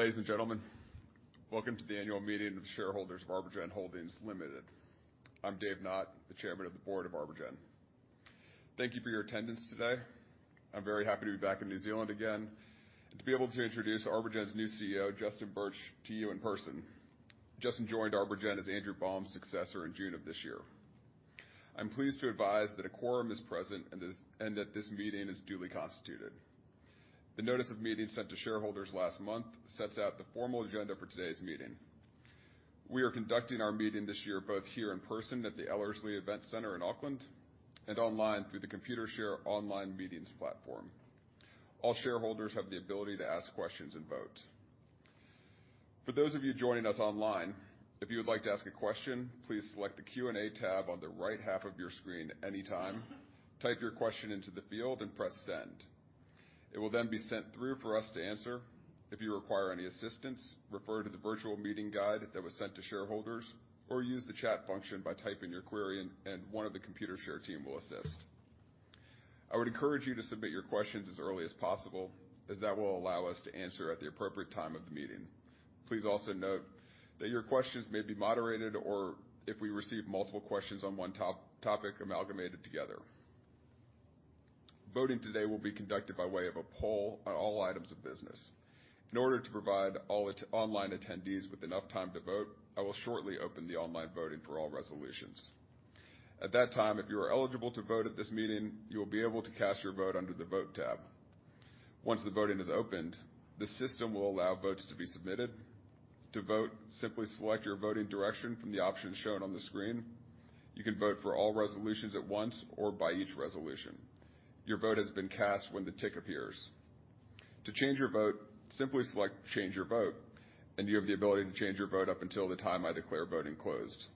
Good morning, ladies and gentlemen. Welcome to the annual meeting of shareholders of ArborGen Holdings Limited. I'm Dave Knott, the chairman of the board of ArborGen. Thank you for your attendance today. I'm very happy to be back in New Zealand again, and to be able to introduce ArborGen's new CEO, Justin Birch, to you in person. Justin joined ArborGen as Andrew Baum's successor in June of this year. I'm pleased to advise that a quorum is present and that this meeting is duly constituted. The notice of meeting sent to shareholders last month sets out the formal agenda for today's meeting. We are conducting our meeting this year, both here in person at the Ellerslie Event Centre in Auckland and online through the Computershare online meetings platform. All shareholders have the ability to ask questions and vote. For those of you joining us online, if you would like to ask a question, please select the Q&A tab on the right half of your screen at any time. Type your question into the field and press Send. It will then be sent through for us to answer. If you require any assistance, refer to the virtual meeting guide that was sent to shareholders, or use the chat function by typing your query and one of the Computershare team will assist. I would encourage you to submit your questions as early as possible, as that will allow us to answer at the appropriate time of the meeting. Please also note that your questions may be moderated, or if we receive multiple questions on one topic, amalgamated together. Voting today will be conducted by way of a poll on all items of business. In order to provide all online attendees with enough time to vote, I will shortly open the online voting for all resolutions. At that time, if you are eligible to vote at this meeting, you will be able to cast your vote under the Vote tab. Once the voting is opened, the system will allow votes to be submitted. To vote, simply select your voting direction from the options shown on the screen. You can vote for all resolutions at once or by each resolution. Your vote has been cast when the tick appears. To change your vote, simply select Change Your Vote, and you have the ability to change your vote up until the time I declare voting closed.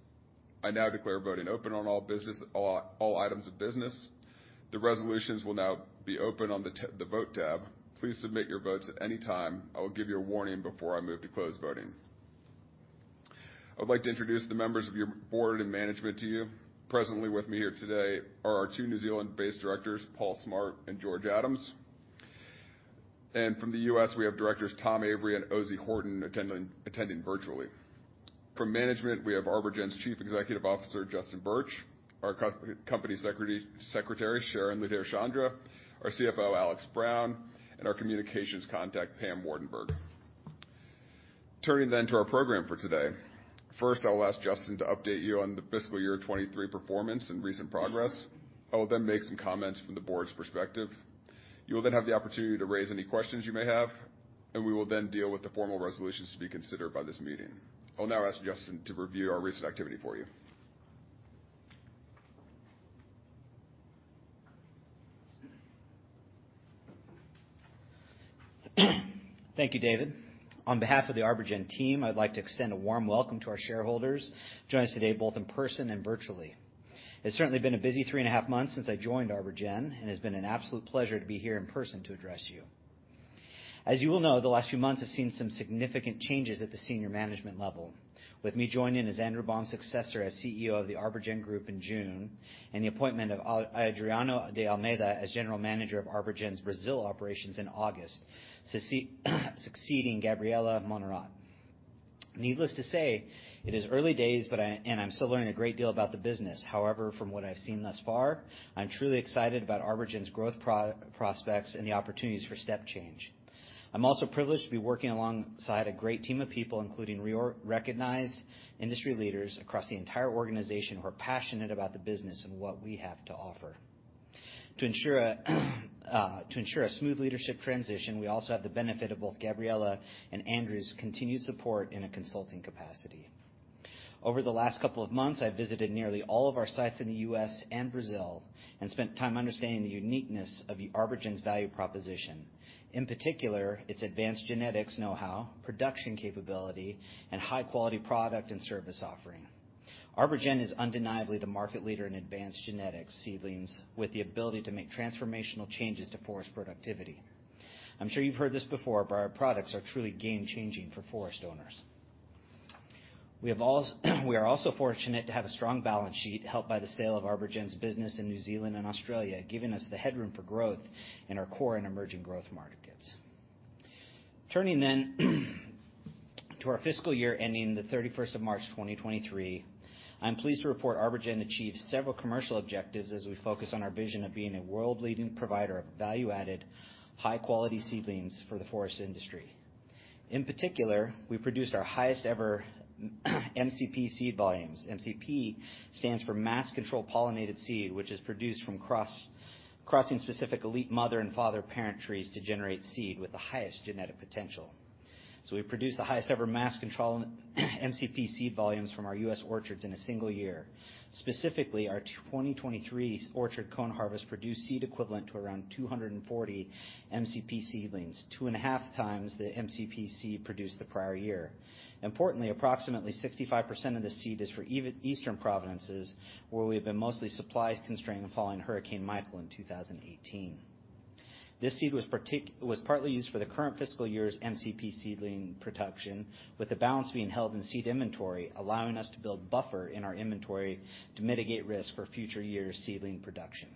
I now declare voting open on all business, all items of business. The resolutions will now be open on the Vote tab. Please submit your votes at any time. I will give you a warning before I move to close voting. I would like to introduce the members of your board and management to you. Presently with me here today are our two New Zealand-based directors, Paul Smart and George Adams. From the U.S., we have directors Tom Avery and Ozey Horton, attending virtually. From management, we have ArborGen's Chief Executive Officer, Justin Birch, our company secretary, Sharon Ludher-Chandra, our CFO, Alex Brown, and our communications contact, Pam Wardenburg. Turning then to our program for today. First, I will ask Justin to update you on the fiscal year 2023 performance and recent progress. I will then make some comments from the board's perspective. You will then have the opportunity to raise any questions you may have, and we will then deal with the formal resolutions to be considered by this meeting. I'll now ask Justin to review our recent activity for you. Thank you, David. On behalf of the ArborGen team, I'd like to extend a warm welcome to our shareholders, joining us today, both in person and virtually. It's certainly been a busy three and 1/2 months since I joined ArborGen, and it's been an absolute pleasure to be here in person to address you. As you well know, the last few months have seen some significant changes at the senior management level. With me joining as Andrew Baum's successor, as CEO of the ArborGen Group in June, and the appointment of Adriano de Almeida as General Manager of ArborGen's Brazil operations in August, succeeding Gabriela Monnerat. Needless to say, it is early days, but I'm still learning a great deal about the business. However, from what I've seen thus far, I'm truly excited about ArborGen's growth prospects and the opportunities for step change. I'm also privileged to be working alongside a great team of people, including recognized industry leaders across the entire organization, who are passionate about the business and what we have to offer. To ensure a smooth leadership transition, we also have the benefit of both Gabriela and Andrew's continued support in a consulting capacity. Over the last couple of months, I've visited nearly all of our sites in the U.S. and Brazil, and spent time understanding the uniqueness of ArborGen's value proposition. In particular, its advanced genetics know-how, production capability, and high-quality product and service offering. ArborGen is undeniably the market leader in advanced genetics seedlings, with the ability to make transformational changes to forest productivity. I'm sure you've heard this before, but our products are truly game-changing for forest owners. We are also fortunate to have a strong balance sheet helped by the sale of ArborGen's business in New Zealand and Australia, giving us the headroom for growth in our core and emerging growth markets. Turning then to our fiscal year ending the March 30, 2023, I'm pleased to report ArborGen achieved several commercial objectives as we focus on our vision of being a world-leading provider of value-added, high-quality seedlings for the forest industry. In particular, we produced our highest ever MCP seed volumes. MCP stands for Mass Control Pollinated seed, which is produced from crossing specific elite mother and father parent trees to generate seed with the highest genetic potential. So we produced the highest ever MCP seed volumes from our U.S. orchards in a single year. Specifically, our 2023 orchard cone harvest produced seed equivalent to around 240 MCP seedlings, 2.5x the MCP seed produced the prior year. Importantly, approximately 65% of the seed is for eastern provinces, where we have been mostly supply constrained following Hurricane Michael in 2018. This seed was partly used for the current fiscal year's MCP seedling production, with the balance being held in seed inventory, allowing us to build buffer in our inventory to mitigate risk for future years' seedling production.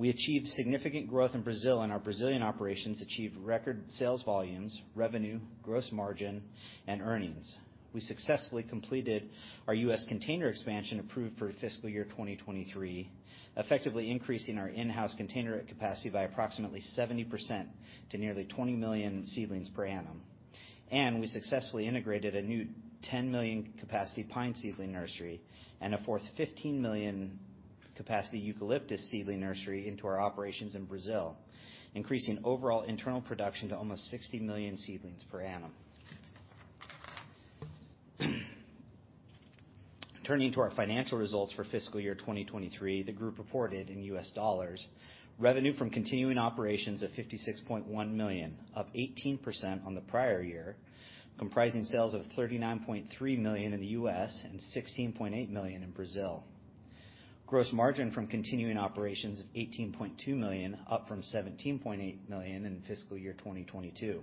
We achieved significant growth in Brazil, and our Brazilian operations achieved record sales volumes, revenue, gross margin, and earnings. We successfully completed our U.S. container expansion approved for fiscal year 2023, effectively increasing our in-house container capacity by approximately 70% to nearly 20 million seedlings per annum. And we successfully integrated a new 10 million capacity pine seedling nursery and a fourth 15 million capacity eucalyptus seedling nursery into our operations in Brazil, increasing overall internal production to almost 60 million seedlings per annum. Turning to our financial results for fiscal year 2023, the group reported in U.S. dollars, revenue from continuing operations of $56.1 million, up 18% on the prior year, comprising sales of $39.3 million in the U.S. and $16.8 million in Brazil. Gross margin from continuing operations of $18.2 million, up from $17.8 million in fiscal year 2022.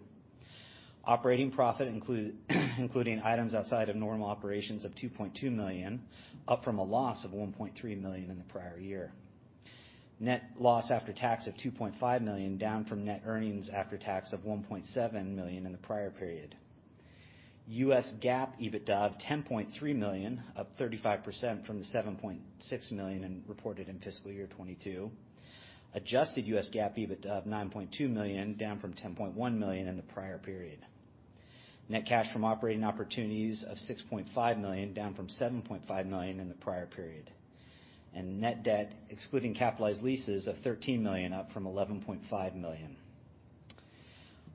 Operating profit, including items outside of normal operations of $2.2 million, up from a loss of $1.3 million in the prior year. Net loss after tax of $2.5 million, down from net earnings after tax of $1.7 million in the prior period. U.S. GAAP EBITDA of $10.3 million, up 35% from the $7.6 million reported in fiscal year 2022. Adjusted U.S. GAAP EBITDA of $9.2 million, down from $10.1 million in the prior period. Net cash from operating activities of $6.5 million, down from $7.5 million in the prior period, and net debt, excluding capitalized leases, of $13 million, up from $11.5 million.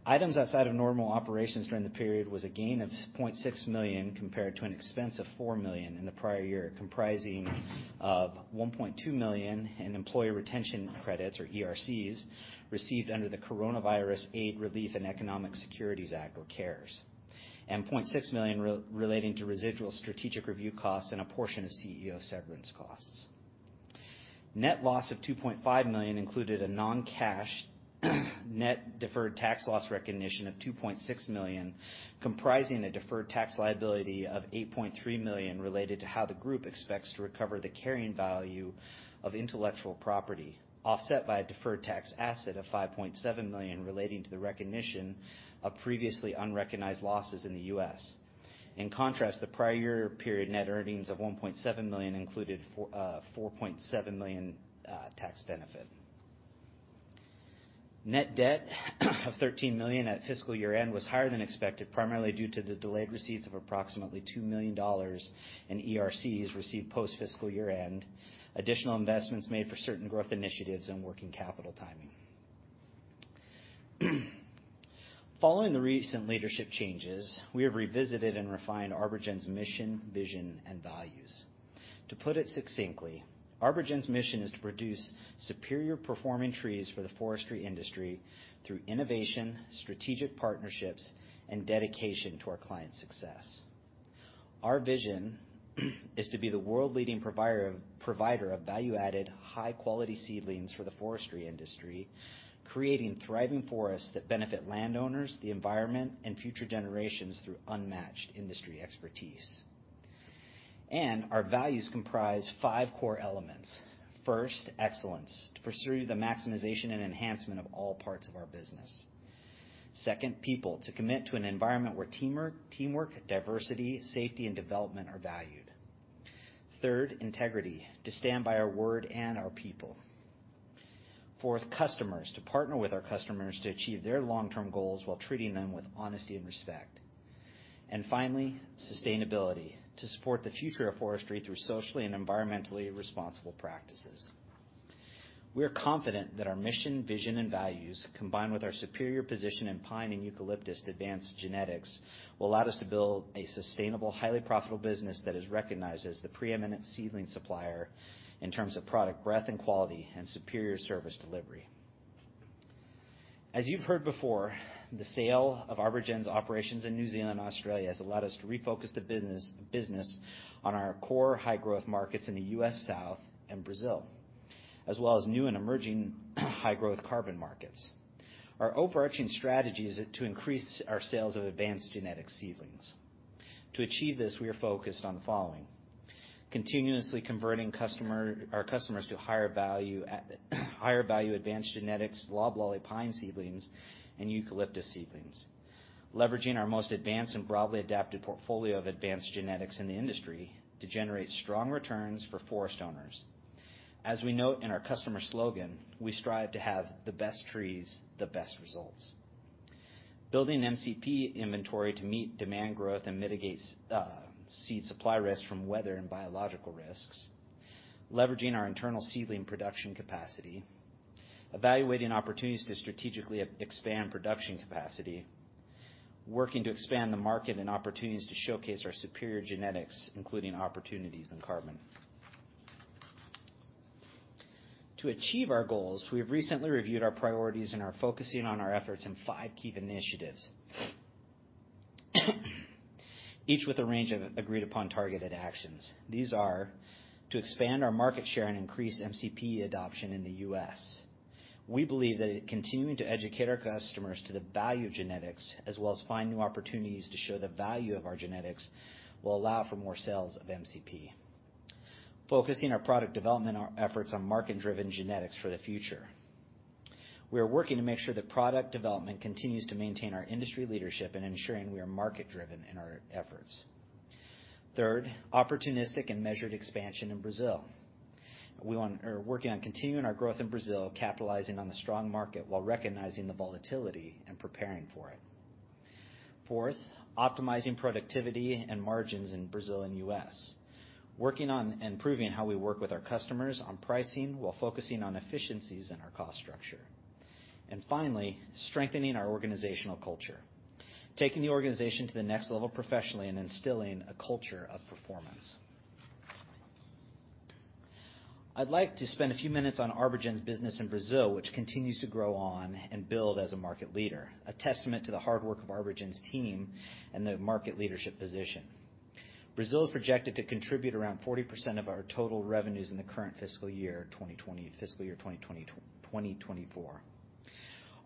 Items outside of normal operations during the period was a gain of $0.6 million, compared to an expense of $4 million in the prior year, comprising of $1.2 million in employee retention credits, or ERCs, received under the Coronavirus Aid, Relief, and Economic Security Act, or CARES, and $0.6 million relating to residual strategic review costs and a portion of CEO severance costs. Net loss of $2.5 million included a non-cash, net deferred tax loss recognition of $2.6 million, comprising a deferred tax liability of $8.3 million related to how the group expects to recover the carrying value of intellectual property, offset by a deferred tax asset of $5.7 million relating to the recognition of previously unrecognized losses in the U.S. In contrast, the prior year period, net earnings of $1.7 million included $4.7 million tax benefit. Net debt of $13 million at fiscal year-end was higher than expected, primarily due to the delayed receipts of approximately $2 million in ERCs received post-fiscal year-end, additional investments made for certain growth initiatives, and working capital timing. Following the recent leadership changes, we have revisited and refined ArborGen's mission, vision, and values. To put it succinctly, ArborGen's mission is to produce superior performing trees for the forestry industry through innovation, strategic partnerships, and dedication to our clients' success. Our vision is to be the world leading provider of, provider of value-added, high-quality seedlings for the forestry industry, creating thriving forests that benefit landowners, the environment, and future generations through unmatched industry expertise. Our values comprise five core elements. First, excellence: to pursue the maximization and enhancement of all parts of our business. Second, people: to commit to an environment where teamwork, diversity, safety, and development are valued. Third, integrity: to stand by our word and our people. Fourth, customers: to partner with our customers to achieve their long-term goals while treating them with honesty and respect. And finally, sustainability: to support the future of forestry through socially and environmentally responsible practices. We are confident that our mission, vision, and values, combined with our superior position in pine and eucalyptus advanced genetics, will allow us to build a sustainable, highly profitable business that is recognized as the preeminent seedling supplier in terms of product breadth and quality and superior service delivery. As you've heard before, the sale of ArborGen's operations in New Zealand and Australia has allowed us to refocus the business on our core high-growth markets in the U.S. South and Brazil, as well as new and emerging high-growth carbon markets. Our overarching strategy is to increase our sales of advanced genetic seedlings. To achieve this, we are focused on the following: continuously converting our customers to higher value, higher value, advanced genetics, loblolly pine seedlings, and eucalyptus seedlings. Leveraging our most advanced and broadly adapted portfolio of advanced genetics in the industry to generate strong returns for forest owners. As we note in our customer slogan, "We strive to have the best trees, the best results." Building MCP inventory to meet demand growth and mitigate seed supply risk from weather and biological risks. Leveraging our internal seedling production capacity. Evaluating opportunities to strategically expand production capacity. Working to expand the market and opportunities to showcase our superior genetics, including opportunities in carbon. To achieve our goals, we have recently reviewed our priorities and are focusing on our efforts in five key initiatives, each with a range of agreed upon targeted actions. These are to expand our market share and increase MCP adoption in the U.S. We believe that continuing to educate our customers to the value of genetics, as well as find new opportunities to show the value of our genetics, will allow for more sales of MCP. Focusing our product development, our efforts on market-driven genetics for the future. We are working to make sure that product development continues to maintain our industry leadership in ensuring we are market-driven in our efforts. Third, opportunistic and measured expansion in Brazil. We are working on continuing our growth in Brazil, capitalizing on the strong market, while recognizing the volatility and preparing for it. Fourth, optimizing productivity and margins in Brazil and U.S. Working on improving how we work with our customers on pricing, while focusing on efficiencies in our cost structure. And finally, strengthening our organizational culture, taking the organization to the next level professionally and instilling a culture of performance. I'd like to spend a few minutes on ArborGen's business in Brazil, which continues to grow and build as a market leader, a testament to the hard work of ArborGen's team and the market leadership position. Brazil is projected to contribute around 40% of our total revenues in the current fiscal year, 2024.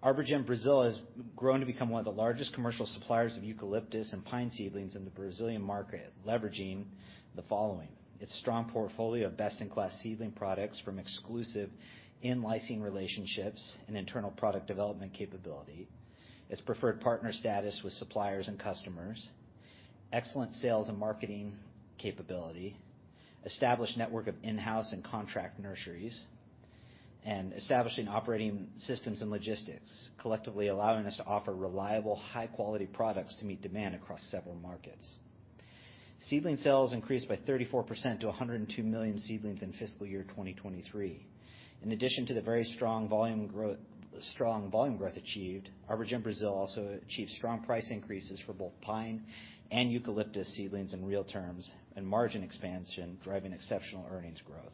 ArborGen Brazil has grown to become one of the largest commercial suppliers of eucalyptus and pine seedlings in the Brazilian market, leveraging the following: its strong portfolio of best-in-class seedling products from exclusive in-licensing relationships and internal product development capability. Its preferred partner status with suppliers and customers, excellent sales and marketing capability, established network of in-house and contract nurseries, and establishing operating systems and logistics, collectively allowing us to offer reliable, high-quality products to meet demand across several markets. Seedling sales increased by 34% to 102 million seedlings in fiscal year 2023. In addition to the very strong volume growth, strong volume growth achieved, ArborGen Brazil also achieved strong price increases for both pine and eucalyptus seedlings in real terms and margin expansion, driving exceptional earnings growth.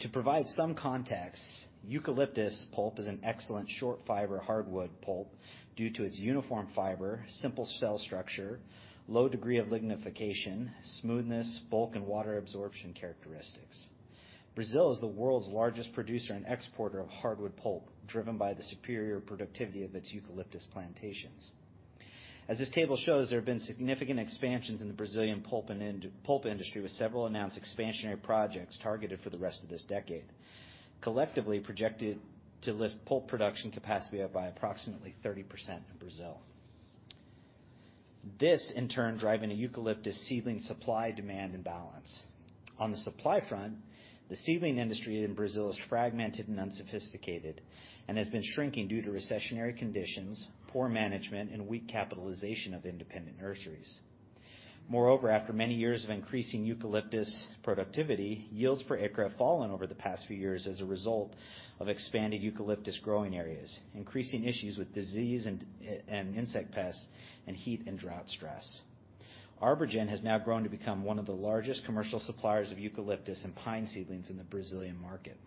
To provide some context, eucalyptus pulp is an excellent short fiber hardwood pulp due to its uniform fiber, simple cell structure, low degree of lignification, smoothness, bulk, and water absorption characteristics. Brazil is the world's largest producer and exporter of hardwood pulp, driven by the superior productivity of its eucalyptus plantations. As this table shows, there have been significant expansions in the Brazilian pulp industry, with several announced expansionary projects targeted for the rest of this decade, collectively projected to lift pulp production capacity up by approximately 30% in Brazil. This, in turn, driving a eucalyptus seedling supply, demand, and balance. On the supply front, the seedling industry in Brazil is fragmented and unsophisticated, and has been shrinking due to recessionary conditions, poor management, and weak capitalization of independent nurseries. Moreover, after many years of increasing eucalyptus productivity, yields per acre have fallen over the past few years as a result of expanded eucalyptus growing areas, increasing issues with disease and insect pests and heat and drought stress. ArborGen has now grown to become one of the largest commercial suppliers of eucalyptus and pine seedlings in the Brazilian market.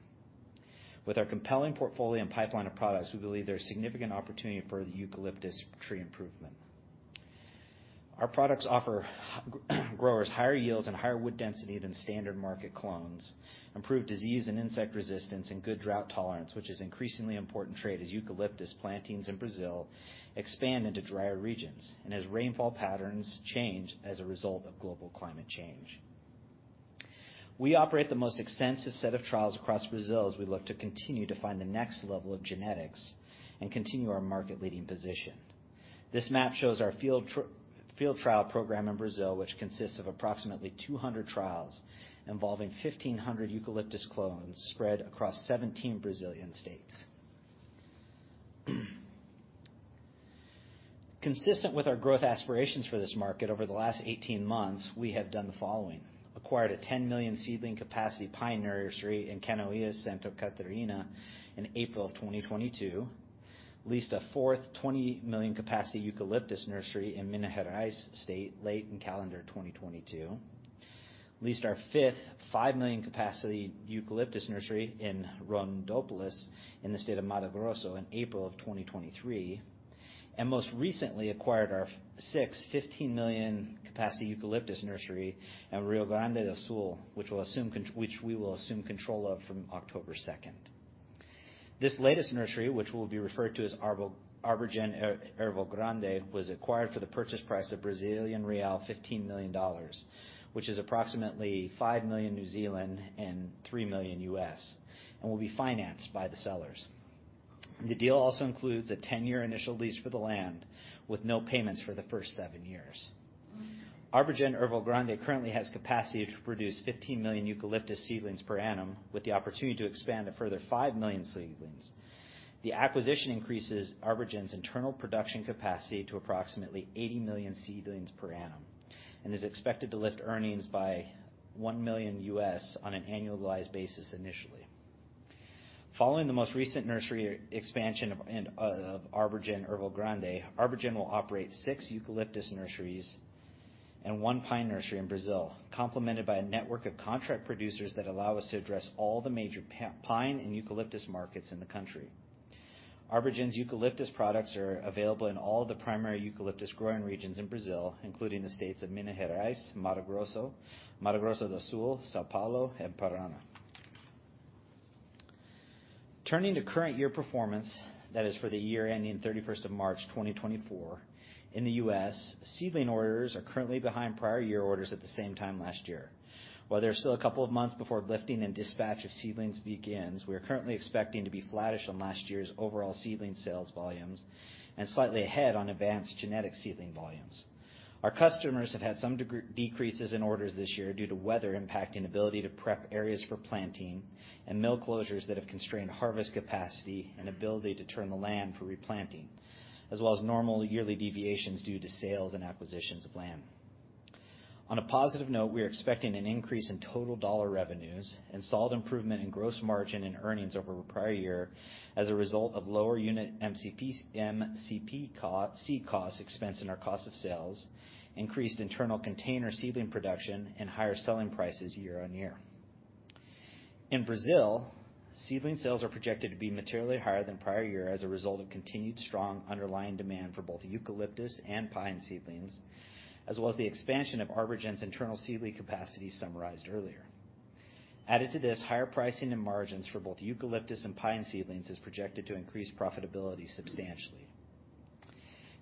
With our compelling portfolio and pipeline of products, we believe there is significant opportunity for the eucalyptus tree improvement. Our products offer growers higher yields and higher wood density than standard market clones, improved disease and insect resistance, and good drought tolerance, which is an increasingly important trait as eucalyptus plantings in Brazil expand into drier regions, and as rainfall patterns change as a result of global climate change. We operate the most extensive set of trials across Brazil as we look to continue to find the next level of genetics and continue our market-leading position. This map shows our field trial program in Brazil, which consists of approximately 200 trials involving 1,500 eucalyptus clones spread across 17 Brazilian states. Consistent with our growth aspirations for this market, over the last 18 months, we have done the following: acquired a 10 million seedling capacity pine nursery in Canoinhas, Santa Catarina, in April of 2022, leased a fourth 20 million capacity eucalyptus nursery in Minas Gerais state late in calendar 2022, leased our 55 million capacity eucalyptus nursery in Rondonópolis, in the state of Mato Grosso, in April of 2023, and most recently acquired our sixth 15 million capacity eucalyptus nursery in Rio Grande do Sul, which we will assume control of from October 2nd. This latest nursery, which will be referred to as ArborGen Erval Grande, was acquired for the purchase price of BRL 15 million, which is approximately five million and $3 million, and will be financed by the sellers. The deal also includes a 10-year initial lease for the land, with no payments for the first seven years. ArborGen Erval Grande currently has capacity to produce 15 million eucalyptus seedlings per annum, with the opportunity to expand a further five million seedlings. The acquisition increases ArborGen's internal production capacity to approximately 80 million seedlings per annum and is expected to lift earnings by $1 million on an annualized basis initially. Following the most recent nursery expansion of ArborGen Erval Grande, ArborGen will operate six eucalyptus nurseries and one pine nursery in Brazil, complemented by a network of contract producers that allow us to address all the major pine and eucalyptus markets in the country. ArborGen's eucalyptus products are available in all the primary eucalyptus growing regions in Brazil, including the states of Minas Gerais, Mato Grosso, Mato Grosso do Sul, São Paulo, and Paraná. Turning to current year performance, that is for the year ending March 31, 2024. In the U.S., seedling orders are currently behind prior year orders at the same time last year. While there are still a couple of months before lifting and dispatch of seedlings begins, we are currently expecting to be flattish on last year's overall seedling sales volumes and slightly ahead on advanced genetic seedling volumes. Our customers have had some decreases in orders this year due to weather impacting ability to prep areas for planting and mill closures that have constrained harvest capacity and ability to turn the land for replanting, as well as normal yearly deviations due to sales and acquisitions of land. On a positive note, we are expecting an increase in total dollar revenues and solid improvement in gross margin and earnings over the prior year as a result of lower unit MCPs—MCP seed costs, expense in our cost of sales, increased internal container seedling production, and higher selling prices year-on-year. In Brazil, seedling sales are projected to be materially higher than prior year as a result of continued strong underlying demand for both eucalyptus and pine seedlings, as well as the expansion of ArborGen's internal seedling capacity summarized earlier. Added to this, higher pricing and margins for both eucalyptus and pine seedlings is projected to increase profitability substantially.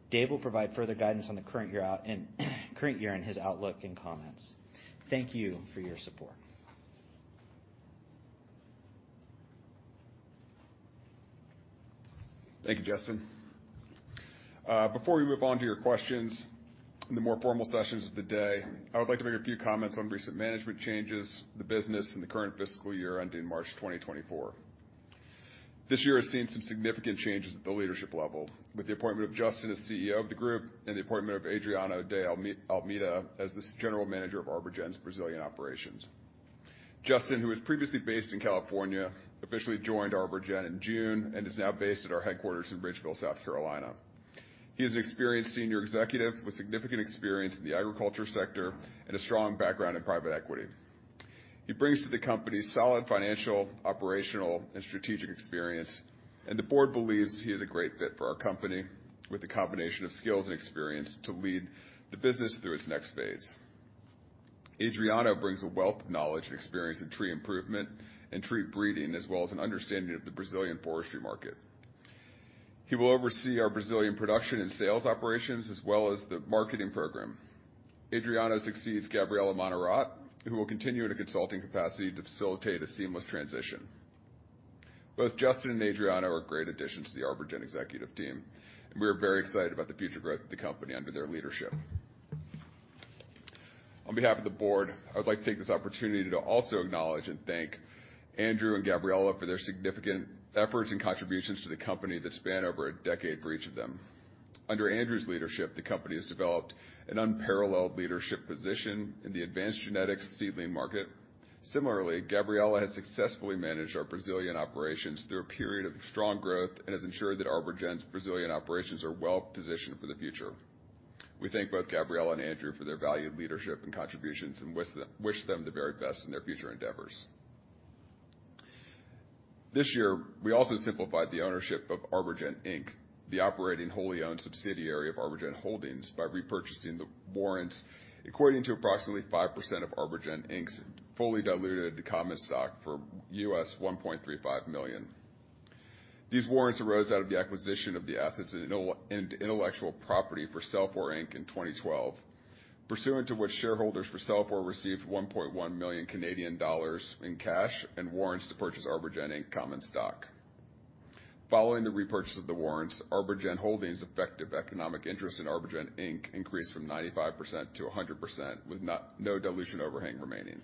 Dave will provide further guidance on the current year out and, current year in his outlook and comments. Thank you for your support. Thank you, Justin. Before we move on to your questions in the more formal sessions of the day, I would like to make a few comments on recent management changes, the business, and the current fiscal year ending March 2024. This year has seen some significant changes at the leadership level, with the appointment of Justin as CEO of the group and the appointment of Adriano de Almeida as the General Manager of ArborGen's Brazilian operations. Justin, who was previously based in California, officially joined ArborGen in June and is now based at our headquarters in Ridgeville, South Carolina. He is an experienced senior executive with significant experience in the agriculture sector and a strong background in private equity. He brings to the company solid financial, operational, and strategic experience, and the board believes he is a great fit for our company, with a combination of skills and experience to lead the business through its next phase. Adriano brings a wealth of knowledge and experience in tree improvement and tree breeding, as well as an understanding of the Brazilian forestry market. He will oversee our Brazilian production and sales operations, as well as the marketing program. Adriano succeeds Gabriela Monnerat, who will continue in a consulting capacity to facilitate a seamless transition. Both Justin and Adriano are great additions to the ArborGen executive team, and we are very excited about the future growth of the company under their leadership. On behalf of the board, I would like to take this opportunity to also acknowledge and thank Andrew and Gabriela for their significant efforts and contributions to the company that span over a decade for each of them. Under Andrew's leadership, the company has developed an unparalleled leadership position in the advanced genetics seedling market. Similarly, Gabriela has successfully managed our Brazilian operations through a period of strong growth and has ensured that ArborGen's Brazilian operations are well positioned for the future. We thank both Gabriela and Andrew for their valued leadership and contributions, and wish them the very best in their future endeavors. This year, we also simplified the ownership of ArborGen Inc, the operating, wholly owned subsidiary of ArborGen Holdings, by repurchasing the warrants according to approximately 5% of ArborGen Inc's fully diluted common stock for $1.35 million. These warrants arose out of the acquisition of the assets and intellectual property for CellFor Inc in 2012, pursuant to which shareholders for CellFor received 1.1 million Canadian dollars in cash and warrants to purchase ArborGen, Inc common stock. Following the repurchase of the warrants, ArborGen Holdings' effective economic interest in ArborGen, Inc increased from 95% -100%, with no dilution overhang remaining.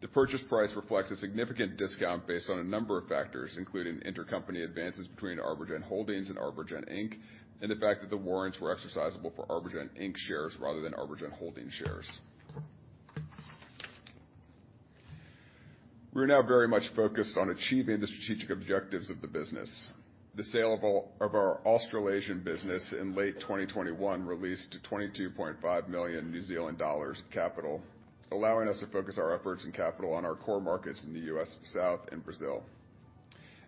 The purchase price reflects a significant discount based on a number of factors, including intercompany advances between ArborGen Holdings and ArborGen, Inc, and the fact that the warrants were exercisable for ArborGen, Inc shares rather than ArborGen Holdings shares. We are now very much focused on achieving the strategic objectives of the business. The sale of our Australasian business in late 2021 released 22.5 million New Zealand dollars capital, allowing us to focus our efforts and capital on our core markets in the U.S. South and Brazil.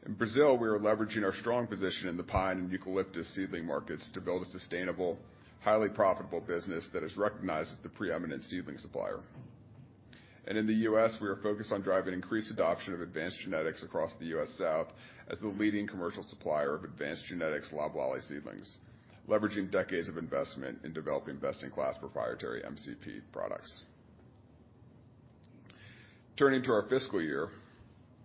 In Brazil, we are leveraging our strong position in the pine and eucalyptus seedling markets to build a sustainable, highly profitable business that is recognized as the preeminent seedling supplier. In the U.S., we are focused on driving increased adoption of advanced genetics across the U.S. South as the leading commercial supplier of advanced genetics loblolly seedlings, leveraging decades of investment in developing best-in-class proprietary MCP products. Turning to our fiscal year,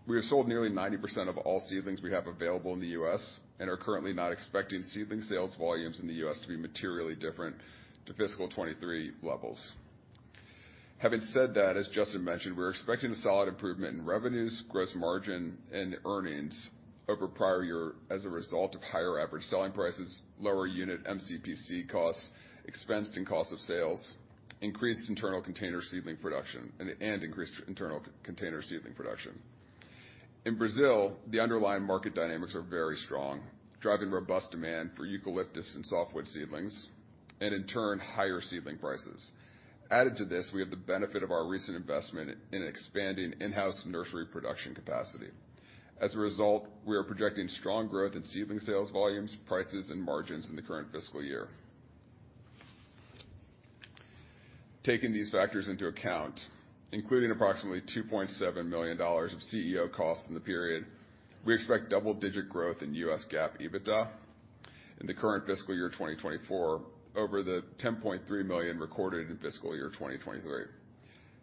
we have sold nearly 90% of all seedlings we have available in the U.S. and are currently not expecting seedling sales volumes in the U.S. to be materially different to fiscal 2023 levels. Having said that, as Justin mentioned, we're expecting a solid improvement in revenues, gross margin, and earnings over prior year as a result of higher average selling prices, lower unit MCP seed costs, expensed in costs of sales, increased internal container seedling production, and increased internal container seedling production. In Brazil, the underlying market dynamics are very strong, driving robust demand for eucalyptus and softwood seedlings, and in turn, higher seedling prices. Added to this, we have the benefit of our recent investment in expanding in-house nursery production capacity. As a result, we are projecting strong growth in seedling sales, volumes, prices, and margins in the current fiscal year. Taking these factors into account, including approximately $2.7 million of CEO costs in the period, we expect double-digit growth in U.S. GAAP EBITDA in the current fiscal year, 2024, over the $10.3 million recorded in fiscal year 2023.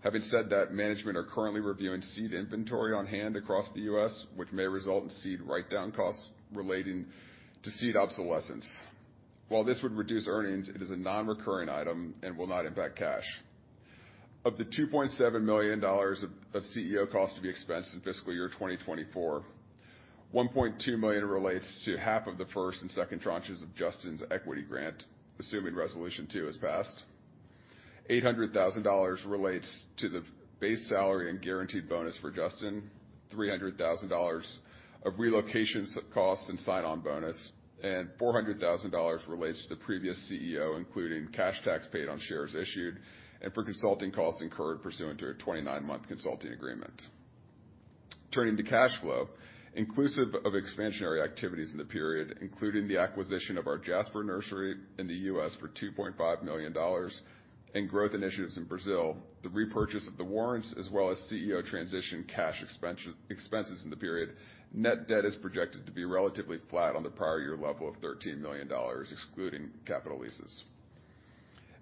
Having said that, management are currently reviewing seed inventory on hand across the U.S., which may result in seed write-down costs relating to seed obsolescence. While this would reduce earnings, it is a non-recurring item and will not impact cash. Of the $2.7 million of CEO cost to be expensed in fiscal year 2024, $1.2 million relates to half of the first and second tranches of Justin's equity grant, assuming Resolution two is passed. $800,000 relates to the base salary and guaranteed bonus for Justin, $300,000 of relocation costs and sign-on bonus, and $400,000 relates to the previous CEO, including cash tax paid on shares issued and for consulting costs incurred pursuant to a 29-month consulting agreement. Turning to cash flow, inclusive of expansionary activities in the period, including the acquisition of our Jasper Nursery in the U.S. for $2.5 million and growth initiatives in Brazil, the repurchase of the warrants, as well as CEO transition cash expenses in the period, net debt is projected to be relatively flat on the prior year level of $13 million, excluding capital leases.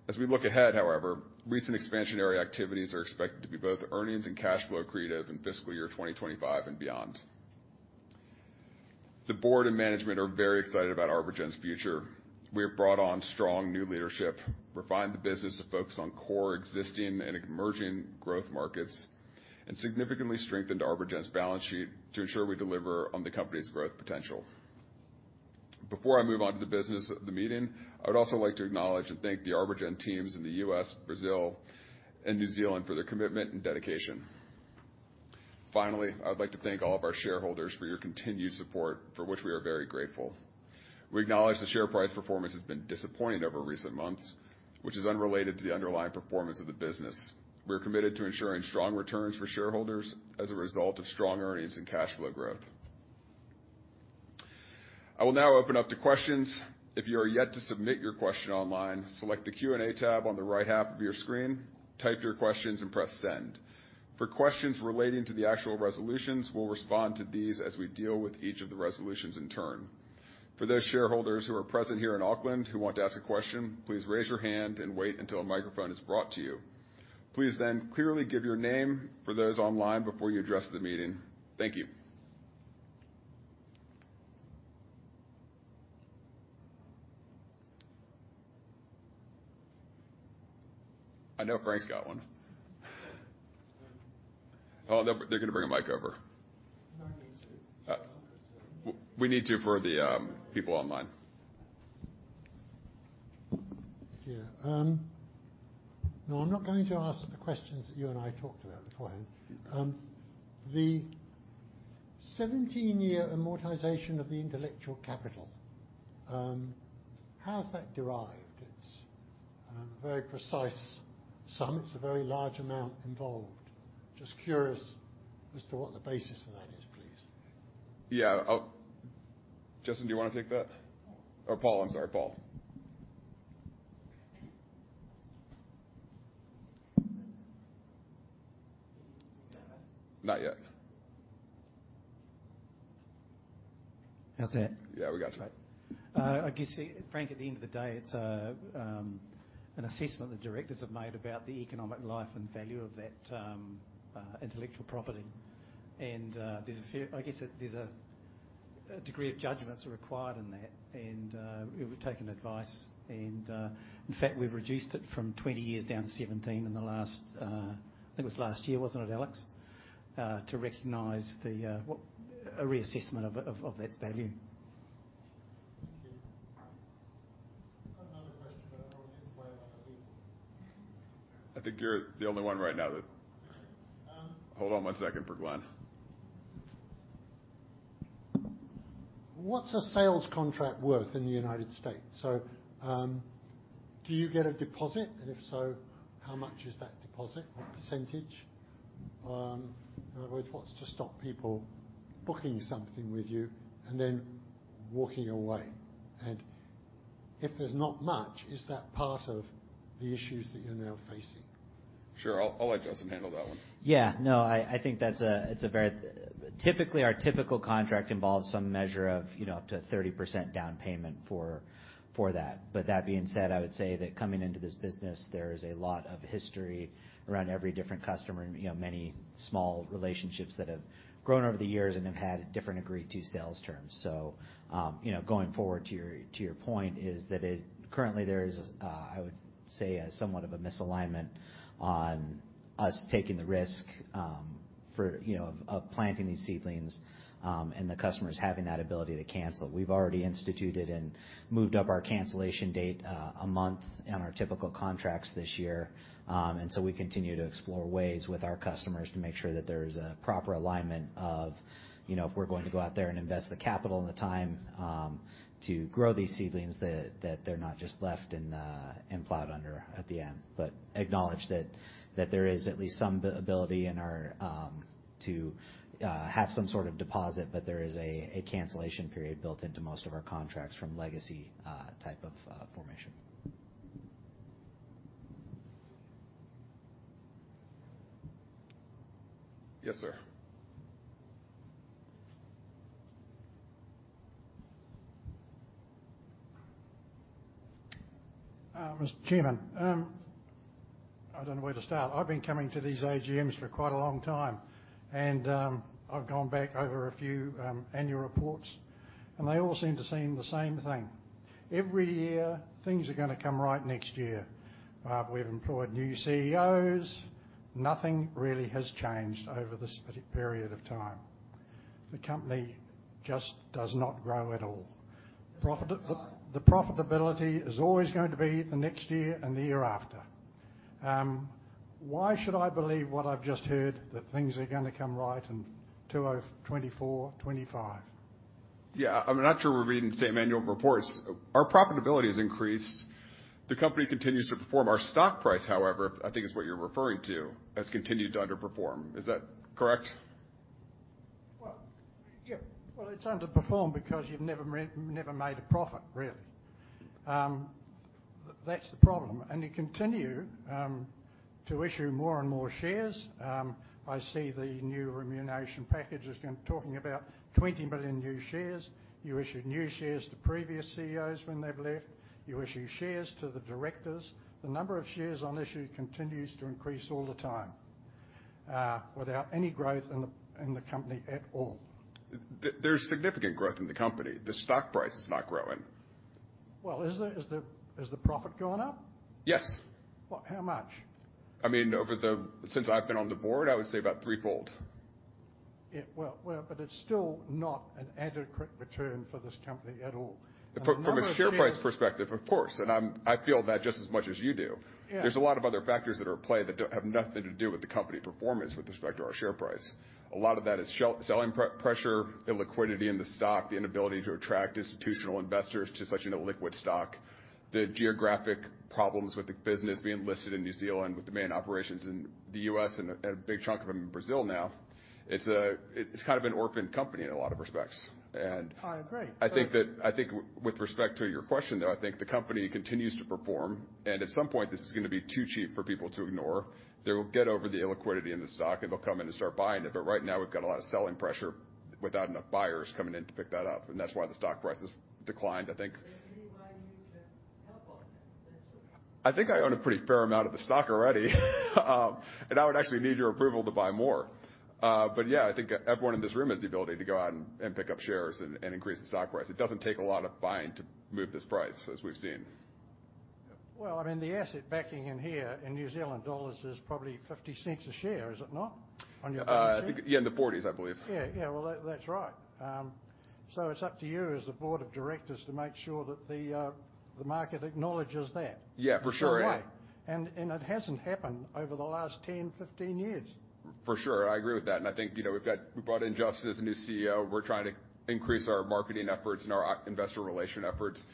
As we look ahead, however, recent expansionary activities are expected to be both earnings and cash flow creative in fiscal year 2025 and beyond. The board and management are very excited about ArborGen's future. We have brought on strong new leadership, refined the business to focus on core existing and emerging growth markets, and significantly strengthened ArborGen's balance sheet to ensure we deliver on the company's growth potential. Before I move on to the business of the meeting, I would also like to acknowledge and thank the ArborGen teams in the U.S., Brazil, and New Zealand for their commitment and dedication. Finally, I would like to thank all of our shareholders for your continued support, for which we are very grateful. We acknowledge the share price performance has been disappointing over recent months, which is unrelated to the underlying performance of the business. We're committed to ensuring strong returns for shareholders as a result of strong earnings and cash flow growth. I will now open up to questions. If you are yet to submit your question online, select the Q&A tab on the right half of your screen, type your questions, and press Send. For questions relating to the actual resolutions, we'll respond to these as we deal with each of the resolutions in turn. For those shareholders who are present here in Auckland who want to ask a question, please raise your hand and wait until a microphone is brought to you. Please, then, clearly give your name for those online before you address the meeting. Thank you. I know Frank's got one. Oh, they're gonna bring a mic over. No, I need to. We need to for the people online. Yeah. No, I'm not going to ask the questions that you and I talked about beforehand. The 17-year amortization of the intellectual capital, how is that derived? It's a very precise sum. It's a very large amount involved. Just curious as to what the basis of that is, please. Yeah. Oh, Justin, do you wanna take that? Sure. Or Paul. I'm sorry, Paul. Not yet. How's that? Yeah, we got you. Great. I guess, Frank, at the end of the day, it's a, an assessment the directors have made about the economic life and value of that, intellectual property. There's a few... I guess, there's a, a degree of judgments are required in that, and we've taken advice, and, in fact, we've reduced it from 20 years down to 17 in the last, I think it was last year, wasn't it, Alex? To recognize the, what a reassessment of, of, of that value. Thank you. I've got another question, but I want to invite other people. I think you're the only one right now that- Um- Hold on one second for Glenn. What's a sales contract worth in the United States? So, do you get a deposit, and if so, how much is that deposit? What percentage? In other words, what's to stop people booking something with you and then walking away? And if there's not much, is that part of the issues that you're now facing? Sure. I'll let Justin handle that one. Yeah. No, I think that's a, it's a very... Typically, our typical contract involves some measure of, you know, up to 30% down payment for that. But that being said, I would say that coming into this business, there is a lot of history around every different customer, and, you know, many small relationships that have grown over the years and have had different agreed-to sales terms. So, you know, going forward to your point, is that it currently there is, I would say, a somewhat of a misalignment on us taking the risk.... for, you know, of, of planting these seedlings, and the customers having that ability to cancel. We've already instituted and moved up our cancellation date a month on our typical contracts this year. We continue to explore ways with our customers to make sure that there is a proper alignment of, you know, if we're going to go out there and invest the capital and the time to grow these seedlings, that they're not just left and plowed under at the end. Acknowledge that there is at least some ability in our, to have some sort of deposit, but there is a cancellation period built into most of our contracts from legacy type of formation. Yes, sir. Mr. Chairman, I don't know where to start. I've been coming to these AGMs for quite a long time, and I've gone back over a few annual reports, and they all seem to say the same thing. Every year, things are gonna come right next year. We've employed new CEOs. Nothing really has changed over the specific period of time. The company just does not grow at all. Profit- But- The profitability is always going to be the next year and the year after. Why should I believe what I've just heard, that things are gonna come right in 2024, 2025? Yeah. I'm not sure we're reading the same annual reports. Our profitability has increased. The company continues to perform. Our stock price, however, I think is what you're referring to, has continued to underperform. Is that correct? Well, yeah. Well, it's underperformed because you've never made a profit, really. That's the problem. And you continue to issue more and more shares. I see the new remuneration package is going, talking about 20 million new shares. You issued new shares to previous CEOs when they've left. You issue shares to the directors. The number of shares on issue continues to increase all the time without any growth in the, in the company at all. There's significant growth in the company. The stock price is not growing. Well, has the profit gone up? Yes. Well, how much? I mean, over the. Since I've been on the board, I would say about threefold. Yeah. Well, well, but it's still not an adequate return for this company at all. The number of shares- From a share price perspective, of course, and I feel that just as much as you do. Yeah. There's a lot of other factors that are at play that don't have nothing to do with the company performance with respect to our share price. A lot of that is selling pressure, illiquidity in the stock, the inability to attract institutional investors to such an illiquid stock, the geographic problems with the business being listed in New Zealand, with the main operations in the U.S. and a big chunk of them in Brazil now. It's kind of an orphaned company in a lot of respects, and- I agree, but- I think with respect to your question, though, I think the company continues to perform, and at some point, this is gonna be too cheap for people to ignore. They will get over the illiquidity in the stock, and they'll come in and start buying it. But right now, we've got a lot of selling pressure without enough buyers coming in to pick that up, and that's why the stock price has declined, I think. Is there anybody you can help on this? I think I own a pretty fair amount of the stock already, and I would actually need your approval to buy more. But yeah, I think everyone in this room has the ability to go out and pick up shares and increase the stock price. It doesn't take a lot of buying to move this price, as we've seen. Well, I mean, the asset backing in here in New Zealand dollars is probably 0.50 a share, is it not, on your- I think, yeah, in the 40s, I believe. Yeah. Yeah. Well, that, that's right. So it's up to you as the board of directors to make sure that the market acknowledges that- Yeah, for sure. -in a way. And, and it hasn't happened over the last 10, 15 years. For sure. I agree with that, and I think, you know, we've got... We brought in Justin as a new CEO. We're trying to increase our marketing efforts and our investor relation efforts.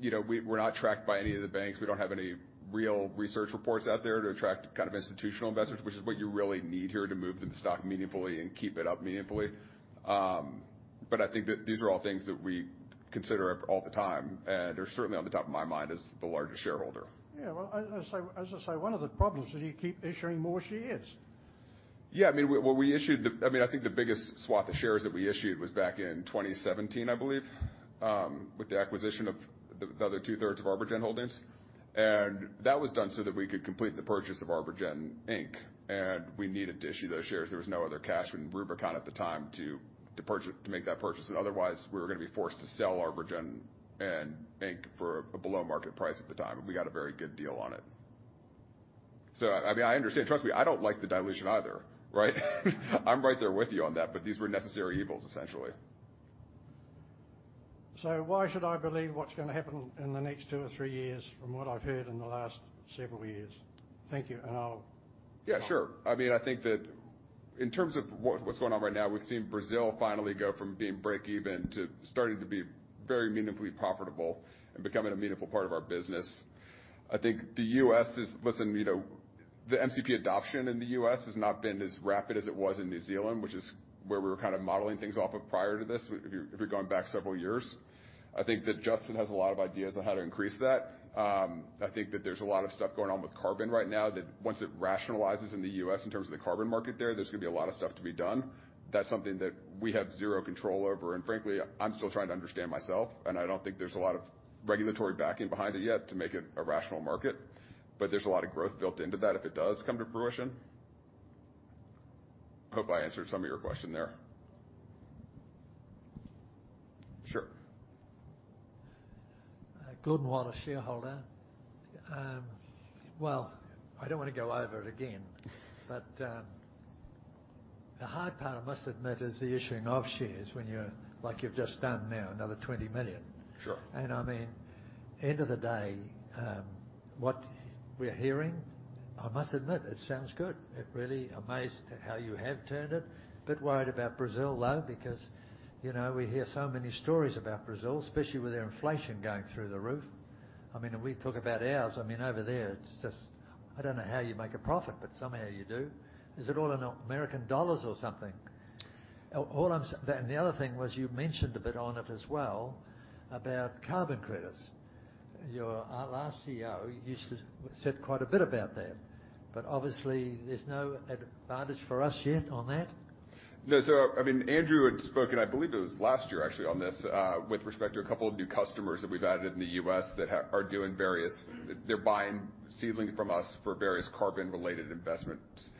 You know, we're not tracked by any of the banks. We don't have any real research reports out there to attract kind of institutional investors, which is what you really need here to move the stock meaningfully and keep it up meaningfully. But I think that these are all things that we consider all the time, and they're certainly on the top of my mind as the largest shareholder. Yeah, well, as I, as I say, one of the problems is you keep issuing more shares. Yeah, I mean, we, well, we issued the... I mean, I think the biggest swath of shares that we issued was back in 2017, I believe, with the acquisition of the other two-thirds of ArborGen Holdings, and that was done so that we could complete the purchase of ArborGen Inc, and we needed to issue those shares. There was no other cash in Rubicon at the time to make that purchase. And otherwise, we were gonna be forced to sell ArborGen Inc for a below-market price at the time, and we got a very good deal on it. So, I mean, I understand. Trust me, I don't like the dilution either, right? I'm right there with you on that, but these were necessary evils, essentially. So why should I believe what's gonna happen in the next two or three years from what I've heard in the last several years? Thank you, and I'll- Yeah, sure. I mean, I think that in terms of what's going on right now, we've seen Brazil finally go from being break even to starting to be very meaningfully profitable and becoming a meaningful part of our business. I think the US is... Listen, you know, the MCP adoption in the U.S. has not been as rapid as it was in New Zealand, which is where we were kind of modeling things off of prior to this, if you're going back several years. I think that Justin has a lot of ideas on how to increase that. I think that there's a lot of stuff going on with carbon right now, that once it rationalizes in the US in terms of the carbon market there, there's gonna be a lot of stuff to be done. That's something that we have zero control over, and frankly, I'm still trying to understand myself, and I don't think there's a lot of regulatory backing behind it yet to make it a rational market. But there's a lot of growth built into that if it does come to fruition. Hope I answered some of your question there.... Sure. Gordon Wallace, shareholder. Well, I don't want to go over it again, but the hard part, I must admit, is the issuing of shares when you're like you've just done now, another 20 million. Sure. I mean, end of the day, what we're hearing, I must admit, it sounds good. Really amazed at how you have turned it. A bit worried about Brazil, though, because, you know, we hear so many stories about Brazil, especially with their inflation going through the roof. I mean, we talk about ours. I mean, over there, it's just... I don't know how you make a profit, but somehow you do. Is it all in U.S. dollars or something? All I'm say- and the other thing was, you mentioned a bit on it as well, about carbon credits. Your, our last CEO used to-- said quite a bit about that, but obviously there's no advantage for us yet on that? I mean, Andrew had spoken, I believe it was last year actually, on this, with respect to a couple of new customers that we've added in the U.S. hat are doing various—they're buying seedlings from us for various carbon-related investments.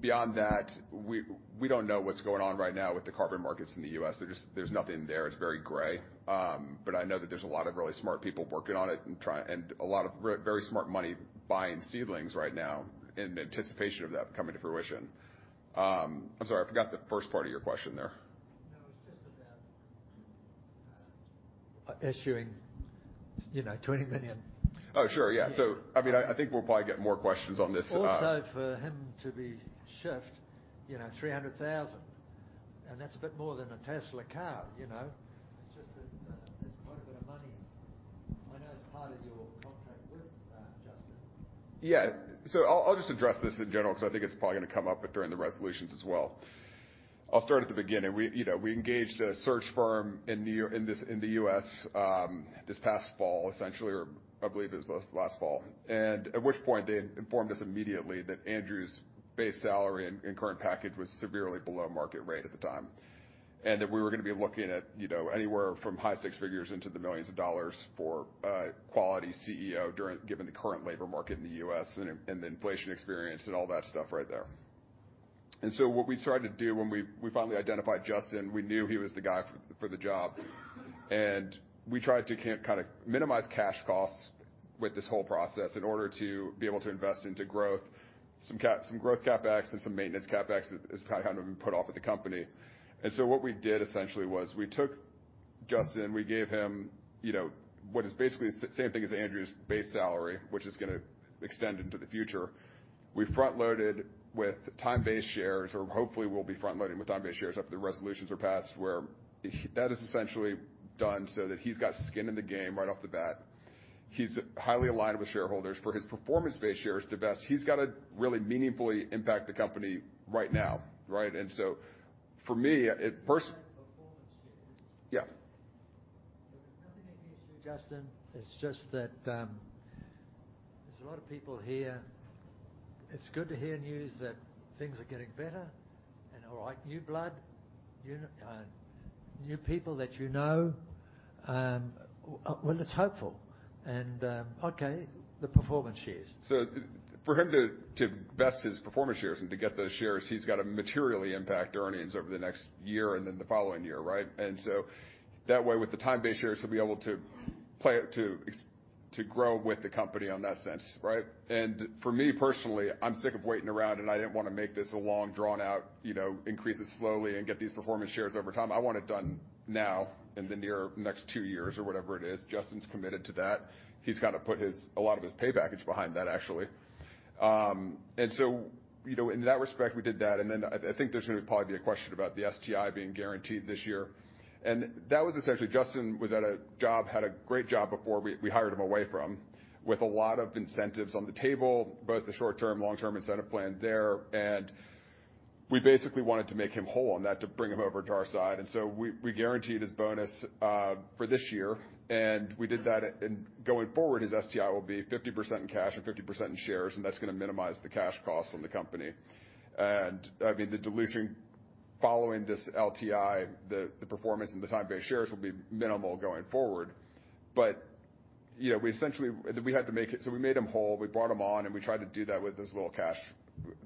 Beyond that, we don't know what's going on right now with the carbon markets in the U.S. There's just, there's nothing there. It's very gray. I know that there's a lot of really smart people working on it and trying, and a lot of really smart money buying seedlings right now in anticipation of that coming to fruition. I'm sorry, I forgot the first part of your question there. No, it's just about issuing, you know, 20 million. Oh, sure, yeah. So, I mean, I think we'll probably get more questions on this. Also for him to be shift, you know, $300,000, and that's a bit more than a Tesla car, you know? It's just that, it's quite a bit of money. I know it's part of your contract with, Justin. Yeah. So I'll just address this in general, because I think it's probably going to come up during the resolutions as well. I'll start at the beginning. We, you know, we engaged a search firm in New York in the U.S. this past fall, essentially, or I believe it was last fall. At which point, they informed us immediately that Andrew's base salary and current package was severely below market rate at the time. And that we were going to be looking at, you know, anywhere from high six figures into the $ millions for a quality CEO during given the current labor market in the U.S. and the inflation experience and all that stuff right there. And so what we tried to do when we finally identified Justin, we knew he was the guy for the job, and we tried to kind of minimize cash costs with this whole process in order to be able to invest into growth, some growth CapEx, and some maintenance CapEx is kind of put off with the company. And so what we did essentially was we took Justin, we gave him, you know, what is basically the same thing as Andrew's base salary, which is gonna extend into the future. We front-loaded with time-based shares, or hopefully we'll be front-loading with time-based shares after the resolutions are passed, where that is essentially done so that he's got skin in the game right off the bat. He's highly aligned with shareholders. For his performance-based shares to vest, he's got to really meaningfully impact the company right now, right? And so for me, it pers- Performance shares. Yeah. There's nothing against you, Justin. It's just that, there's a lot of people here. It's good to hear news that things are getting better and all right, new blood, you know, new people that you know, well, it's hopeful, and, okay, the performance shares. So for him to vest his performance shares and to get those shares, he's got to materially impact earnings over the next year and then the following year, right? And so that way, with the time-based shares, he'll be able to play it to ex- to grow with the company on that sense, right? And for me, personally, I'm sick of waiting around, and I didn't want to make this a long, drawn-out, you know, increase it slowly and get these performance shares over time. I want it done now, in the near, next two years or whatever it is. Justin's committed to that. He's got to put his... A lot of his pay package behind that, actually. And so, you know, in that respect, we did that, and then I think there's going to probably be a question about the STI being guaranteed this year. That was essentially, Justin was at a job, had a great job before we, we hired him away from, with a lot of incentives on the table, both the short-term, long-term incentive plan there, and we basically wanted to make him whole on that, to bring him over to our side. So we, we guaranteed his bonus for this year, and we did that, and going forward, his STI will be 50% in cash and 50% in shares, and that's gonna minimize the cash costs on the company. I mean, the dilution following this LTI, the performance and the time-based shares will be minimal going forward. But, you know, we essentially, we had to make it, so we made him whole, we brought him on, and we tried to do that with as little cash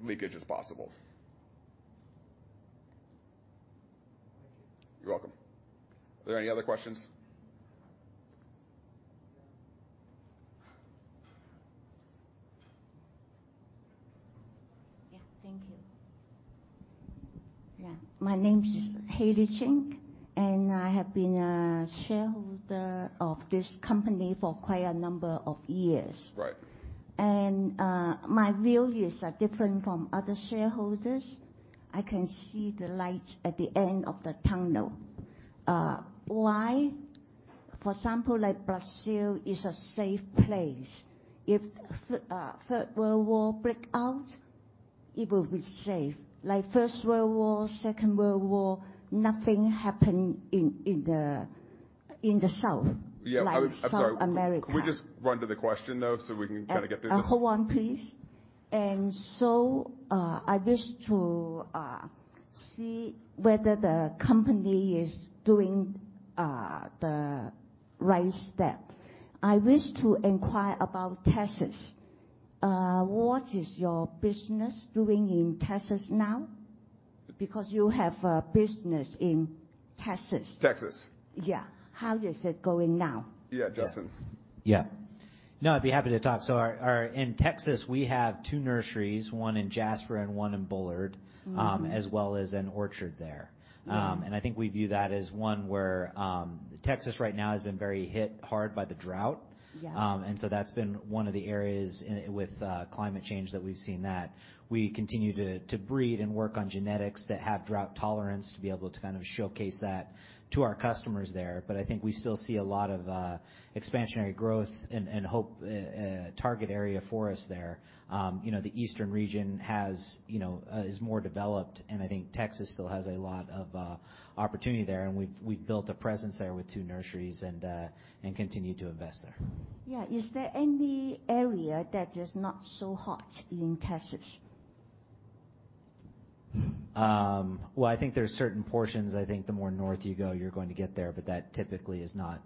leakage as possible. Thank you. You're welcome. Are there any other questions? Yeah. Thank you. Yeah. My name is Haley Ching, and I have been a shareholder of this company for quite a number of years. Right. My views are different from other shareholders. I can see the light at the end of the tunnel. Why? For example, like Brazil is a safe place. If Third World War break out, it will be safe. Like First World War, Second World War, nothing happened in the south- Yeah, I'm sorry. South America. Can we just run to the question, though, so we can kind of get through this? Hold on, please. I wish to see whether the company is doing the right step. I wish to inquire about Texas. What is your business doing in Texas now? Because you have a business in Texas. Texas? Yeah. How is it going now? Yeah, Justin. Yeah. No, I'd be happy to talk. So in Texas, we have two nurseries, one in Jasper and one in Bullard. Mm-hmm. as well as an orchard there. Mm. I think we view that as one where Texas right now has been very hit hard by the drought. Yeah. That's been one of the areas with climate change that we've seen. We continue to breed and work on genetics that have drought tolerance, to be able to kind of showcase that to our customers there. I think we still see a lot of expansionary growth and hope, a target area for us there. You know, the eastern region is more developed, and I think Texas still has a lot of opportunity there, and we've built a presence there with two nurseries and continue to invest there. Yeah. Is there any area that is not so hot in Texas? Well, I think there's certain portions. I think the more north you go, you're going to get there, but that typically is not...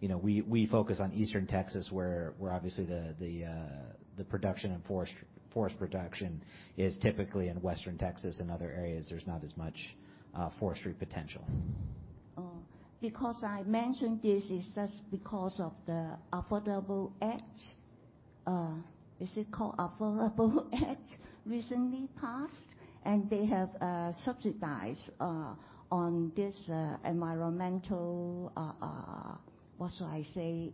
You know, we focus on eastern Texas, where obviously the production and forest production is typically in western Texas and other areas. There's not as much forestry potential. Oh, because I mentioned this is just because of the Affordable Act. Is it called Affordable Act, recently passed, and they have subsidized on this environmental, what should I say,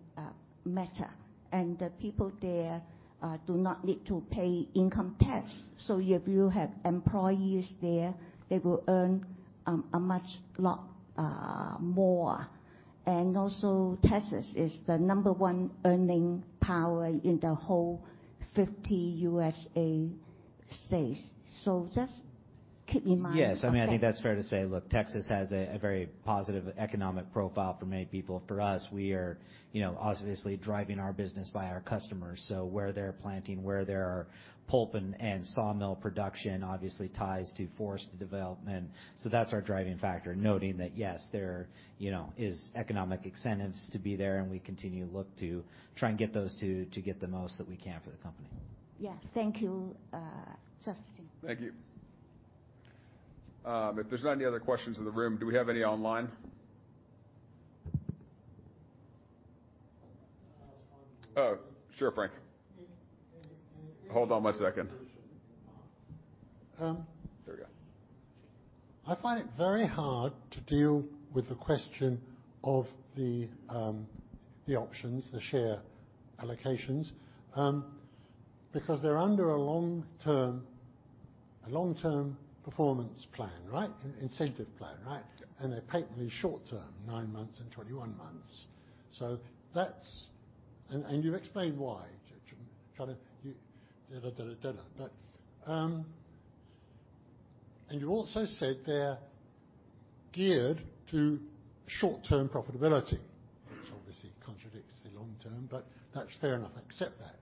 matter. The people there do not need to pay income tax. If you have employees there, they will earn a much lot more. Also, Texas is the number one earning power in the whole 50 U.S. states. Just keep in mind- Yes, I mean, I think that's fair to say. Look, Texas has a very positive economic profile for many people. For us, we are, you know, obviously driving our business by our customers, so where they're planting, where there are pulp and sawmill production obviously ties to forest development, so that's our driving factor. Noting that, yes, there, you know, is economic incentives to be there, and we continue to look to try and get those to get the most that we can for the company. Yeah. Thank you, Justin. Thank you. If there's not any other questions in the room, do we have any online? Oh, sure, Frank. Hold on one second. Um- There we go. I find it very hard to deal with the question of the, the options, the share allocations, because they're under a long-term, a long-term performance plan, right? Incentive plan, right? Yeah. And they're patently short-term, 9 months and 21 months. So that's... And you've explained why, kind of. But and you also said they're geared to short-term profitability, which obviously contradicts the long-term, but that's fair enough. I accept that.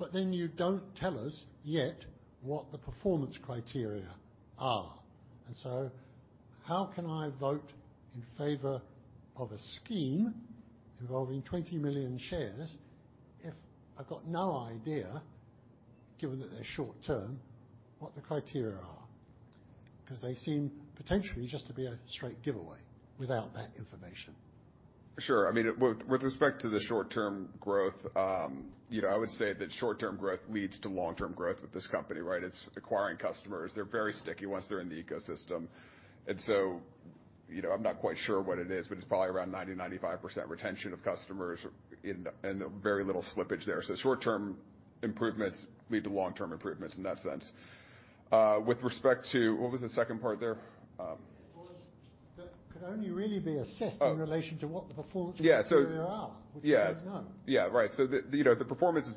But then you don't tell us yet what the performance criteria are, and so how can I vote in favor of a scheme involving 20 million shares, if I've got no idea, given that they're short-term, what the criteria are? Because they seem potentially just to be a straight giveaway without that information. Sure. I mean, with respect to the short-term growth, you know, I would say that short-term growth leads to long-term growth with this company, right? It's acquiring customers. They're very sticky once they're in the ecosystem. And so, you know, I'm not quite sure what it is, but it's probably around 90%-95% retention of customers and very little slippage there. So short term improvements lead to long-term improvements in that sense. With respect to... What was the second part there? It was, that could only really be assessed- Oh. in relation to what the performance Yeah, so- -criteria are. Yeah. Which is none. Yeah, right. So the, you know, the performance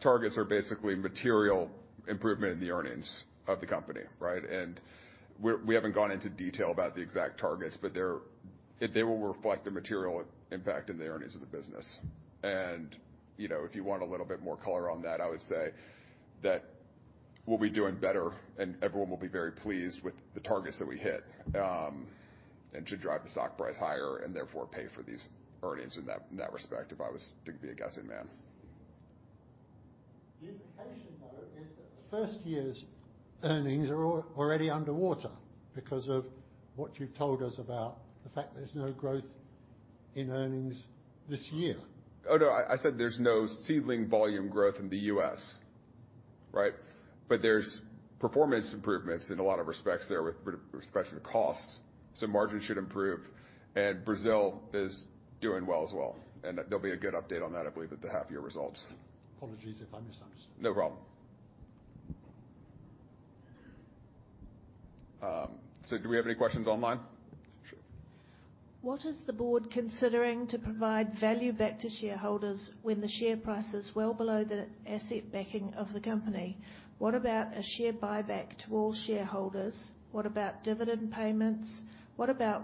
targets are basically material improvement in the earnings of the company, right? And we're- we haven't gone into detail about the exact targets, but they're- they will reflect the material impact in the earnings of the business. And, you know, if you want a little bit more color on that, I would say that we'll be doing better, and everyone will be very pleased with the targets that we hit, and should drive the stock price higher and therefore pay for these earnings in that, in that respect, if I was to be a guessing man. The implication, though, is that the first year's earnings are already underwater because of what you've told us about the fact there's no growth in earnings this year. Oh, no, I said there's no seedling volume growth in the U.S., right? But there's performance improvements in a lot of respects there, with respect to costs, so margins should improve, and Brazil is doing well as well, and there'll be a good update on that, I believe, at the half year results. Apologies if I misunderstood. No problem. So do we have any questions online? Sure. What is the board considering to provide value back to shareholders when the share price is well below the asset backing of the company? What about a share buyback to all shareholders? What about dividend payments? What about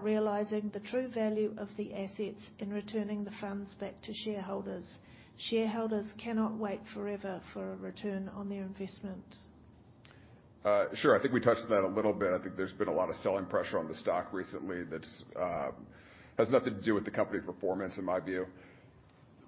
realizing the true value of the assets and returning the funds back to shareholders? Shareholders cannot wait forever for a return on their investment.... Sure. I think we touched on that a little bit. I think there's been a lot of selling pressure on the stock recently that's has nothing to do with the company performance, in my view.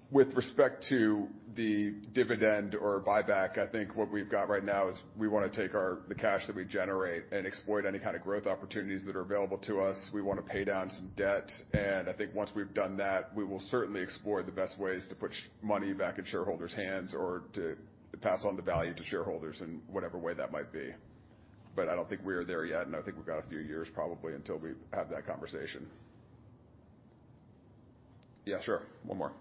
With respect to the dividend or buyback, I think what we've got right now is we wanna take our-- the cash that we generate and exploit any kind of growth opportunities that are available to us. We want to pay down some debt, and I think once we've done that, we will certainly explore the best ways to put money back in shareholders' hands or to, to pass on the value to shareholders in whatever way that might be. But I don't think we are there yet, and I think we've got a few years probably, until we have that conversation. Yeah, sure. One more.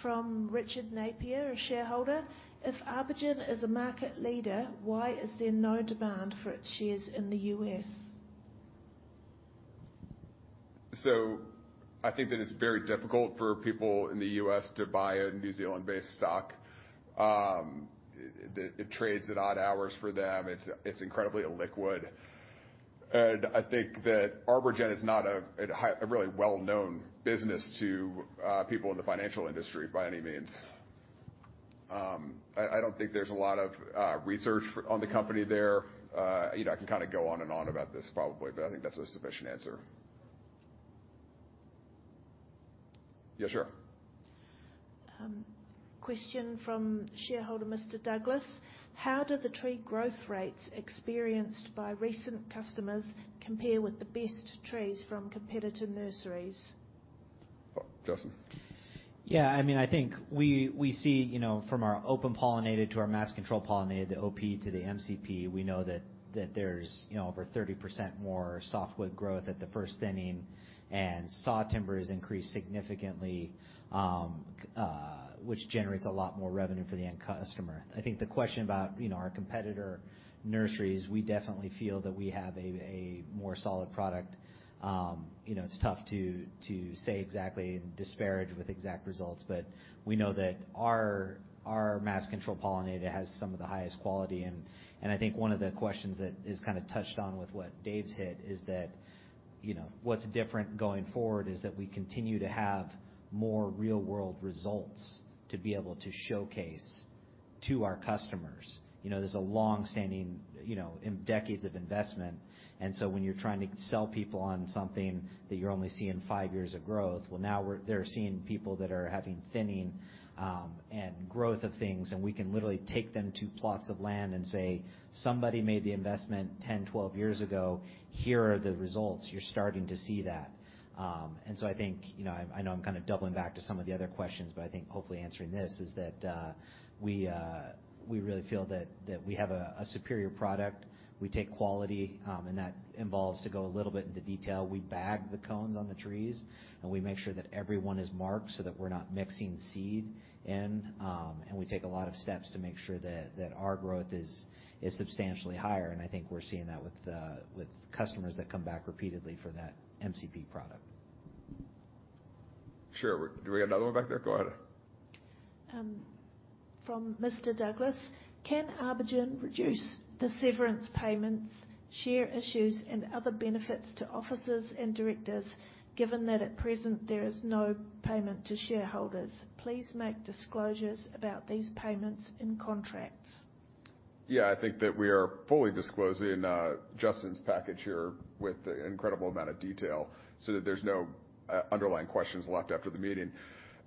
From Richard Napier, a shareholder: If ArborGen is a market leader, why is there no demand for its shares in the U.S.? I think that it's very difficult for people in the U.S. to buy a New Zealand-based stock. It trades at odd hours for them. It's incredibly illiquid. And I think that ArborGen is not a really well-known business to people in the financial industry by any means. I don't think there's a lot of research on the company there. You know, I can kind of go on and on about this probably, but I think that's a sufficient answer. Yeah, sure. Question from shareholder, Mr. Douglas: How do the tree growth rates experienced by recent customers compare with the best trees from competitor nurseries? Oh, Justin. Yeah, I mean, I think we, we see, you know, from our Open Pollinated to our Mass Control Pollinated, the OP to the MCP, we know that, that there's, you know, over 30% more softwood growth at the first thinning, and sawtimber has increased significantly, which generates a lot more revenue for the end customer. I think the question about, you know, our competitor nurseries, we definitely feel that we have a, a more solid product. You know, it's tough to, to say exactly and disparage with exact results, but we know that our, our Mass Control Pollinated has some of the highest quality. I think one of the questions that is kind of touched on with what Dave's hit is that, you know, what's different going forward is that we continue to have more real-world results to be able to showcase to our customers. You know, there's a long-standing, you know, in decades of investment, and so when you're trying to sell people on something that you're only seeing five years of growth, well, now we're-- they're seeing people that are having thinning, and growth of things, and we can literally take them to plots of land and say, "Somebody made the investment 10, 12 years ago. Here are the results." You're starting to see that. And so I think, you know, I, I know I'm kind of doubling back to some of the other questions, but I think hopefully answering this is that, we, we really feel that, that we have a, a superior product. We take quality, and that involves, to go a little bit into detail, we bag the cones on the trees, and we make sure that everyone is marked so that we're not mixing seed in, and we take a lot of steps to make sure that, that our growth is, is substantially higher, and I think we're seeing that with, with customers that come back repeatedly for that MCP product. Sure. Do we have another one back there? Go ahead. From Mr. Douglas: Can ArborGen reduce the severance payments, share issues, and other benefits to officers and directors, given that at present there is no payment to shareholders? Please make disclosures about these payments in contracts. Yeah, I think that we are fully disclosing, Justin's package here with an incredible amount of detail so that there's no underlying questions left after the meeting.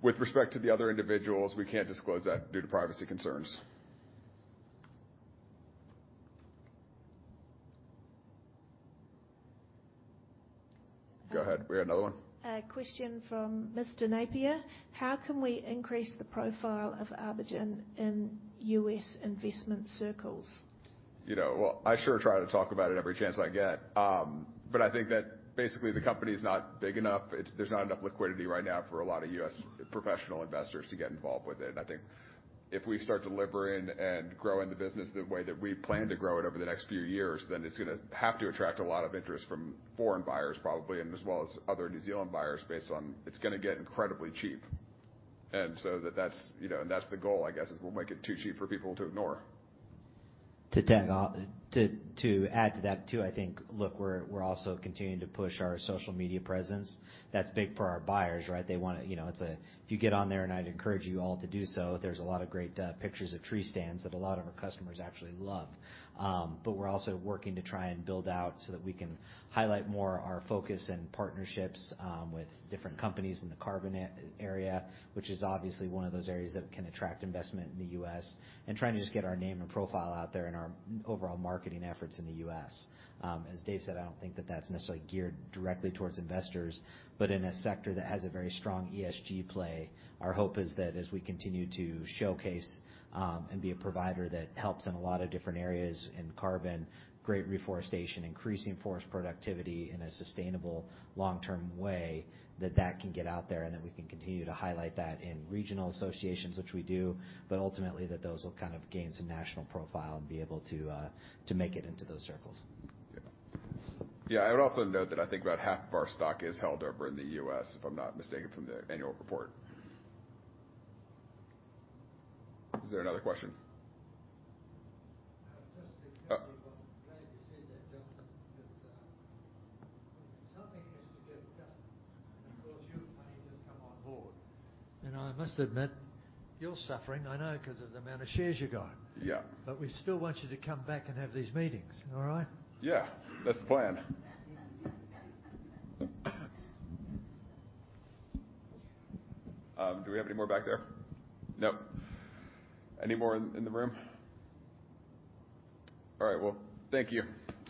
With respect to the other individuals, we can't disclose that due to privacy concerns. Go ahead. We have another one. A question from Mr. Napier: How can we increase the profile of ArborGen in U.S. investment circles? You know, well, I sure try to talk about it every chance I get. But I think that basically the company's not big enough. It's, there's not enough liquidity right now for a lot of U.S. professional investors to get involved with it. I think if we start delivering and growing the business the way that we plan to grow it over the next few years, then it's gonna have to attract a lot of interest from foreign buyers, probably, and as well as other New Zealand buyers, based on it's gonna get incredibly cheap. And so that, that's, you know, and that's the goal, I guess, is we'll make it too cheap for people to ignore. To add to that, too, I think, look, we're also continuing to push our social media presence. That's big for our buyers, right? They wanna, you know, it's a-- if you get on there, and I'd encourage you all to do so, there's a lot of great pictures of tree stands that a lot of our customers actually love. But we're also working to try and build out so that we can highlight more our focus and partnerships with different companies in the carbon area, which is obviously one of those areas that can attract investment in the U.S., and trying to just get our name and profile out there in our overall marketing efforts in the US. As Dave said, I don't think that that's necessarily geared directly towards investors, but in a sector that has a very strong ESG play, our hope is that as we continue to showcase and be a provider that helps in a lot of different areas, in carbon, great reforestation, increasing forest productivity in a sustainable long-term way, that that can get out there, and then we can continue to highlight that in regional associations, which we do, but ultimately, that those will kind of gain some national profile and be able to make it into those circles. Yeah. Yeah, I would also note that I think about half of our stock is held over in the U.S., if I'm not mistaken, from the annual report. Is there another question? Uh, just- Oh.... I must admit, you're suffering, I know, 'cause of the amount of shares you got. Yeah. But we still want you to come back and have these meetings. All right? Yeah, that's the plan. Do we have any more back there? No. Any more in the room? All right, well, thank you.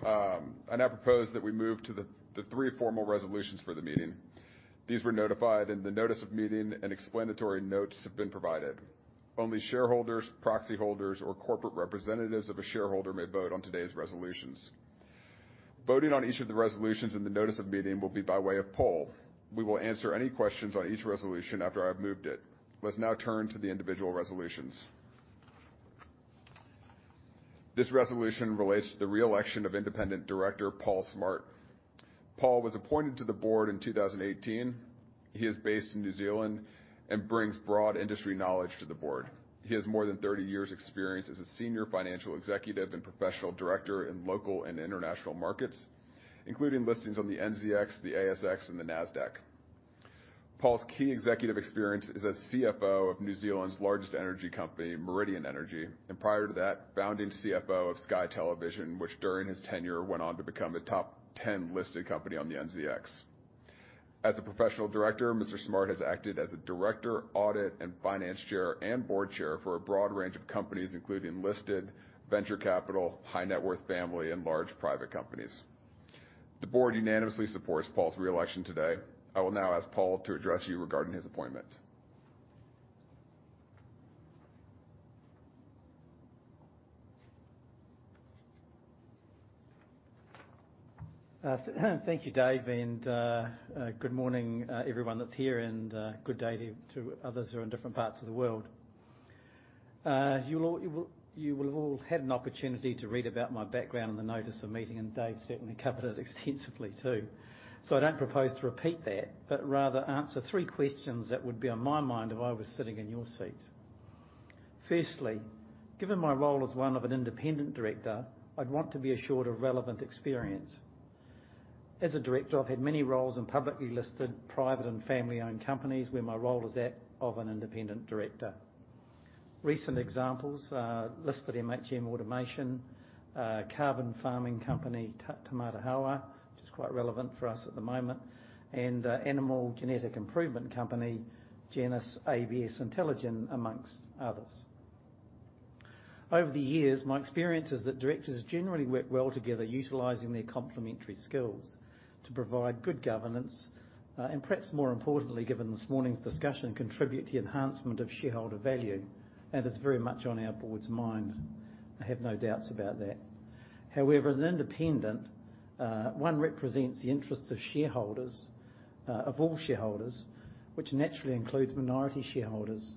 I now propose that we move to the three formal resolutions for the meeting. These were notified, and the notice of meeting and explanatory notes have been provided. Only shareholders, proxy holders, or corporate representatives of a shareholder may vote on today's resolutions. Voting on each of the resolutions in the notice of meeting will be by way of poll. We will answer any questions on each resolution after I've moved it. Let's now turn to the individual resolutions. This resolution relates to the re-election of Independent Director, Paul Smart. Paul was appointed to the board in 2018. He is based in New Zealand and brings broad industry knowledge to the board. He has more than 30 years experience as a senior financial executive and professional director in local and international markets, including listings on the NZX, the ASX, and the Nasdaq. Paul's key executive experience is as CFO of New Zealand's largest energy company, Meridian Energy, and prior to that, founding CFO of Sky Television, which during his tenure went on to become a top 10 listed company on the NZX. As a professional director, Mr. Smart has acted as a director, audit, and finance chair, and board chair for a broad range of companies, including listed venture capital, high-net-worth family, and large private companies. The board unanimously supports Paul's re-election today. I will now ask Paul to address you regarding his appointment. Thank you, Dave, and good morning, everyone that's here, and good day to others who are in different parts of the world. You'll all have had an opportunity to read about my background in the notice of meeting, and Dave certainly covered it extensively too. So I don't propose to repeat that, but rather answer three questions that would be on my mind if I was sitting in your seat. Firstly, given my role as one of an independent director, I'd want to be assured of relevant experience. As a director, I've had many roles in publicly listed private and family-owned companies, where my role is that of an independent director. Recent examples listed MHM Automation, carbon farming company, Tāmata Hauhā, which is quite relevant for us at the moment, and animal genetic improvement Company, Genus, ABS IntelliGen, amongst others. Over the years, my experience is that directors generally work well together, utilizing their complementary skills to provide good governance, and perhaps more importantly, given this morning's discussion, contribute to the enhancement of shareholder value. It's very much on our board's mind. I have no doubts about that. However, as an independent, one represents the interests of shareholders, of all shareholders, which naturally includes minority shareholders.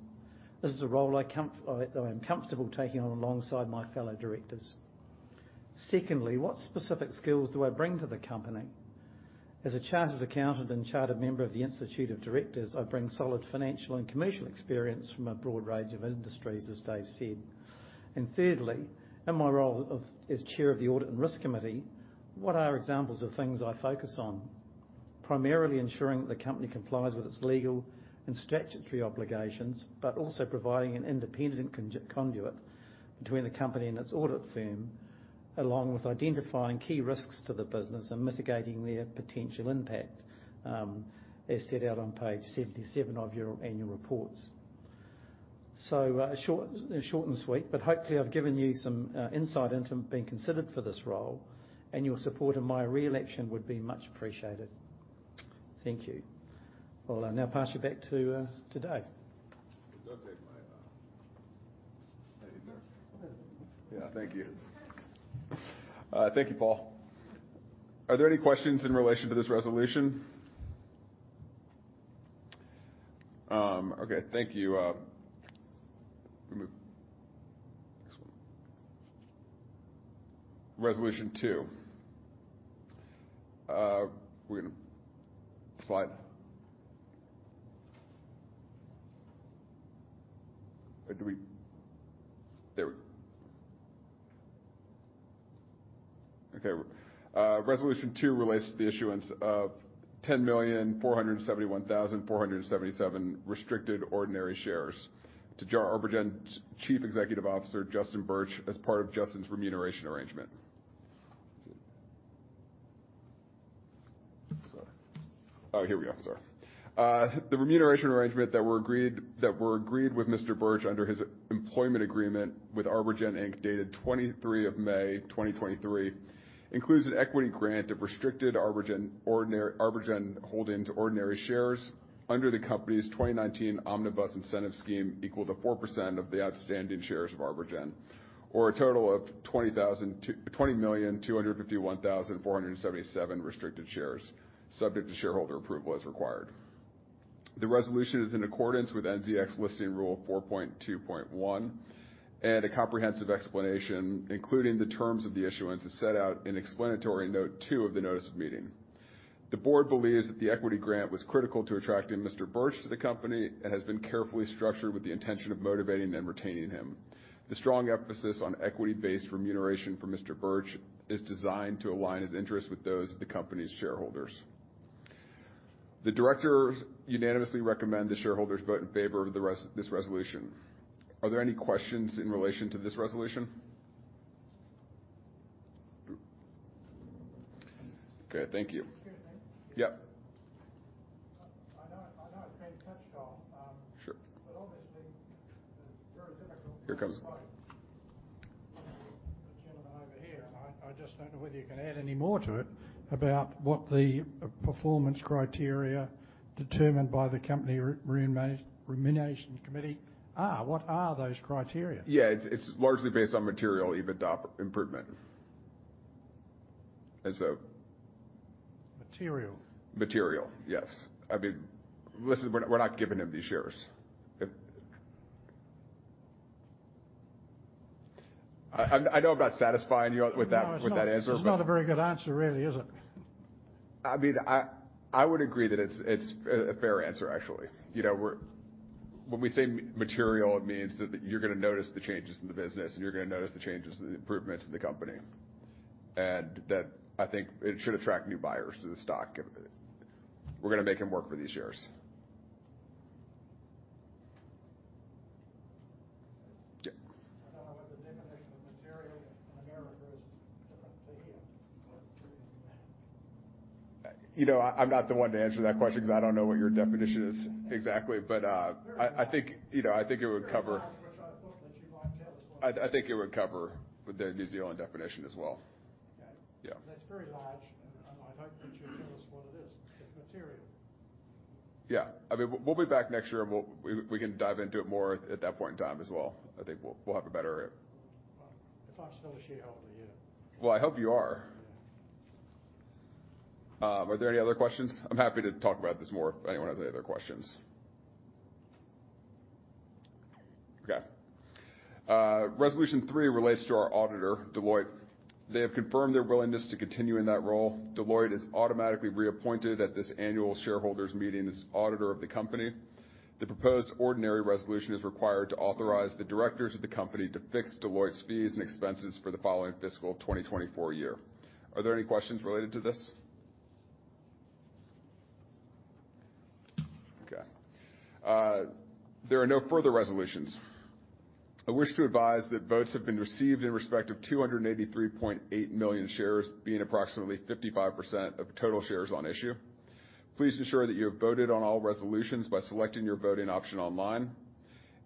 This is a role that I am comfortable taking on alongside my fellow directors. Secondly, what specific skills do I bring to the company? As a chartered accountant and chartered member of the Institute of Directors, I bring solid financial and commercial experience from a broad range of industries, as Dave said. And thirdly, in my role of, as chair of the Audit and Risk Committee, what are examples of things I focus on? Primarily ensuring the company complies with its legal and statutory obligations, but also providing an independent conduit between the company and its audit firm, along with identifying key risks to the business and mitigating their potential impact, as set out on page 77 of your annual reports. So, short, short and sweet, but hopefully I've given you some insight into being considered for this role, and your support in my re-election would be much appreciated. Thank you. Well, I'll now pass you back to, to Dave. Do I take my... Yeah, thank you. Thank you, Paul. Are there any questions in relation to this resolution? Okay, thank you. Let me... Resolution two. We're gonna... Slide. Do we-- There we go. Okay, resolution two relates to the issuance of 10,471,477 restricted ordinary shares to ArborGen's Chief Executive Officer, Justin Birch, as part of Justin's remuneration arrangement. Sorry. Here we go. Sorry. The remuneration arrangement that were agreed, that were agreed with Mr. Birch under his employment agreement with ArborGen Inc, dated 23 of May, 2023, includes an equity grant of restricted ArborGen ordinary-- ArborGen Holdings ordinary shares under the company's 2019 Omnibus Incentive Scheme, equal to 4% of the outstanding shares of ArborGen, or a total of 20,000... 20,251,477 restricted shares, subject to shareholder approval as required. The resolution is in accordance with NZX Listing Rule 4.2.1, and a comprehensive explanation, including the terms of the issuance, is set out in explanatory note two of the notice of meeting. The board believes that the equity grant was critical to attracting Mr. Birch to the company and has been carefully structured with the intention of motivating and retaining him. The strong emphasis on equity-based remuneration for Mr. Birch is designed to align his interests with those of the company's shareholders.... The directors unanimously recommend the shareholders vote in favor of this resolution. Are there any questions in relation to this resolution? Okay, thank you. Excuse me. Yep. I know, I know it's been touched on. Sure. But obviously, it's very difficult- Here it comes. The gentleman over here, and I just don't know whether you can add any more to it, about what the performance criteria determined by the company remuneration committee are. What are those criteria? Yeah, it's, it's largely based on material EBITDA improvement. And so- Material? Material, yes. I mean, listen, we're not giving him these shares. I know I'm not satisfying you with that answer. It's not a very good answer, really, is it? I mean, I would agree that it's a fair answer, actually. You know, we're, when we say material, it means that you're gonna notice the changes in the business, and you're gonna notice the changes and the improvements in the company. And that I think it should attract new buyers to the stock. We're gonna make them work for these shares. Yeah. I don't know what the definition of material in America is different to here. You know, I'm not the one to answer that question, because I don't know what your definition is exactly, but I think, you know, I think it would cover- Which I thought that you might tell us. I think it would cover the New Zealand definition as well. Okay. Yeah. That's very large, and I'd like that you tell us what it is, the material. Yeah. I mean, we'll be back next year, and we can dive into it more at that point in time as well. I think we'll have a better... If I'm still a shareholder, yeah. Well, I hope you are. Yeah. Are there any other questions? I'm happy to talk about this more if anyone has any other questions. Okay. Resolution three relates to our auditor, Deloitte. They have confirmed their willingness to continue in that role. Deloitte is automatically reappointed at this annual shareholders meeting as auditor of the company. The proposed ordinary resolution is required to authorize the directors of the company to fix Deloitte's fees and expenses for the following fiscal 2024 year. Are there any questions related to this? Okay. There are no further resolutions. I wish to advise that votes have been received in respect of 283.8 million shares, being approximately 55% of total shares on issue. Please ensure that you have voted on all resolutions by selecting your voting option online.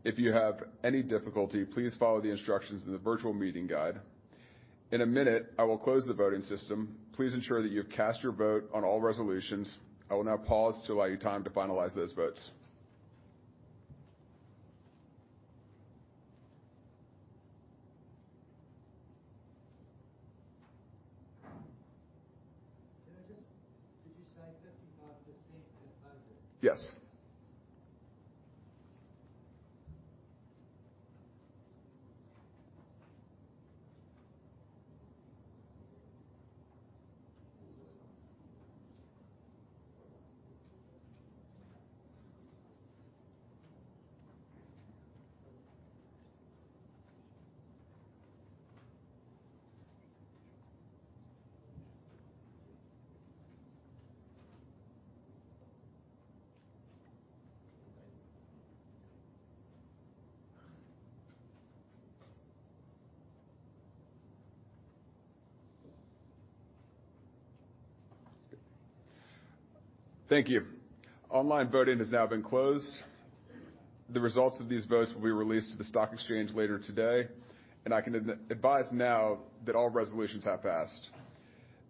If you have any difficulty, please follow the instructions in the virtual meeting guide. In a minute, I will close the voting system. Please ensure that you've cast your vote on all resolutions. I will now pause to allow you time to finalize those votes. Can I just, did you say 55% of the vote? Yes. Thank you. Online voting has now been closed. The results of these votes will be released to the stock exchange later today, and I can advise now that all resolutions have passed.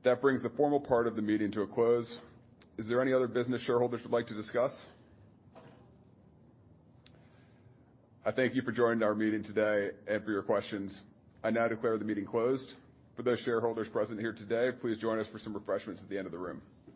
That brings the formal part of the meeting to a close. Is there any other business shareholders would like to discuss? I thank you for joining our meeting today and for your questions. I now declare the meeting closed. For those shareholders present here today, please join us for some refreshments at the end of the room.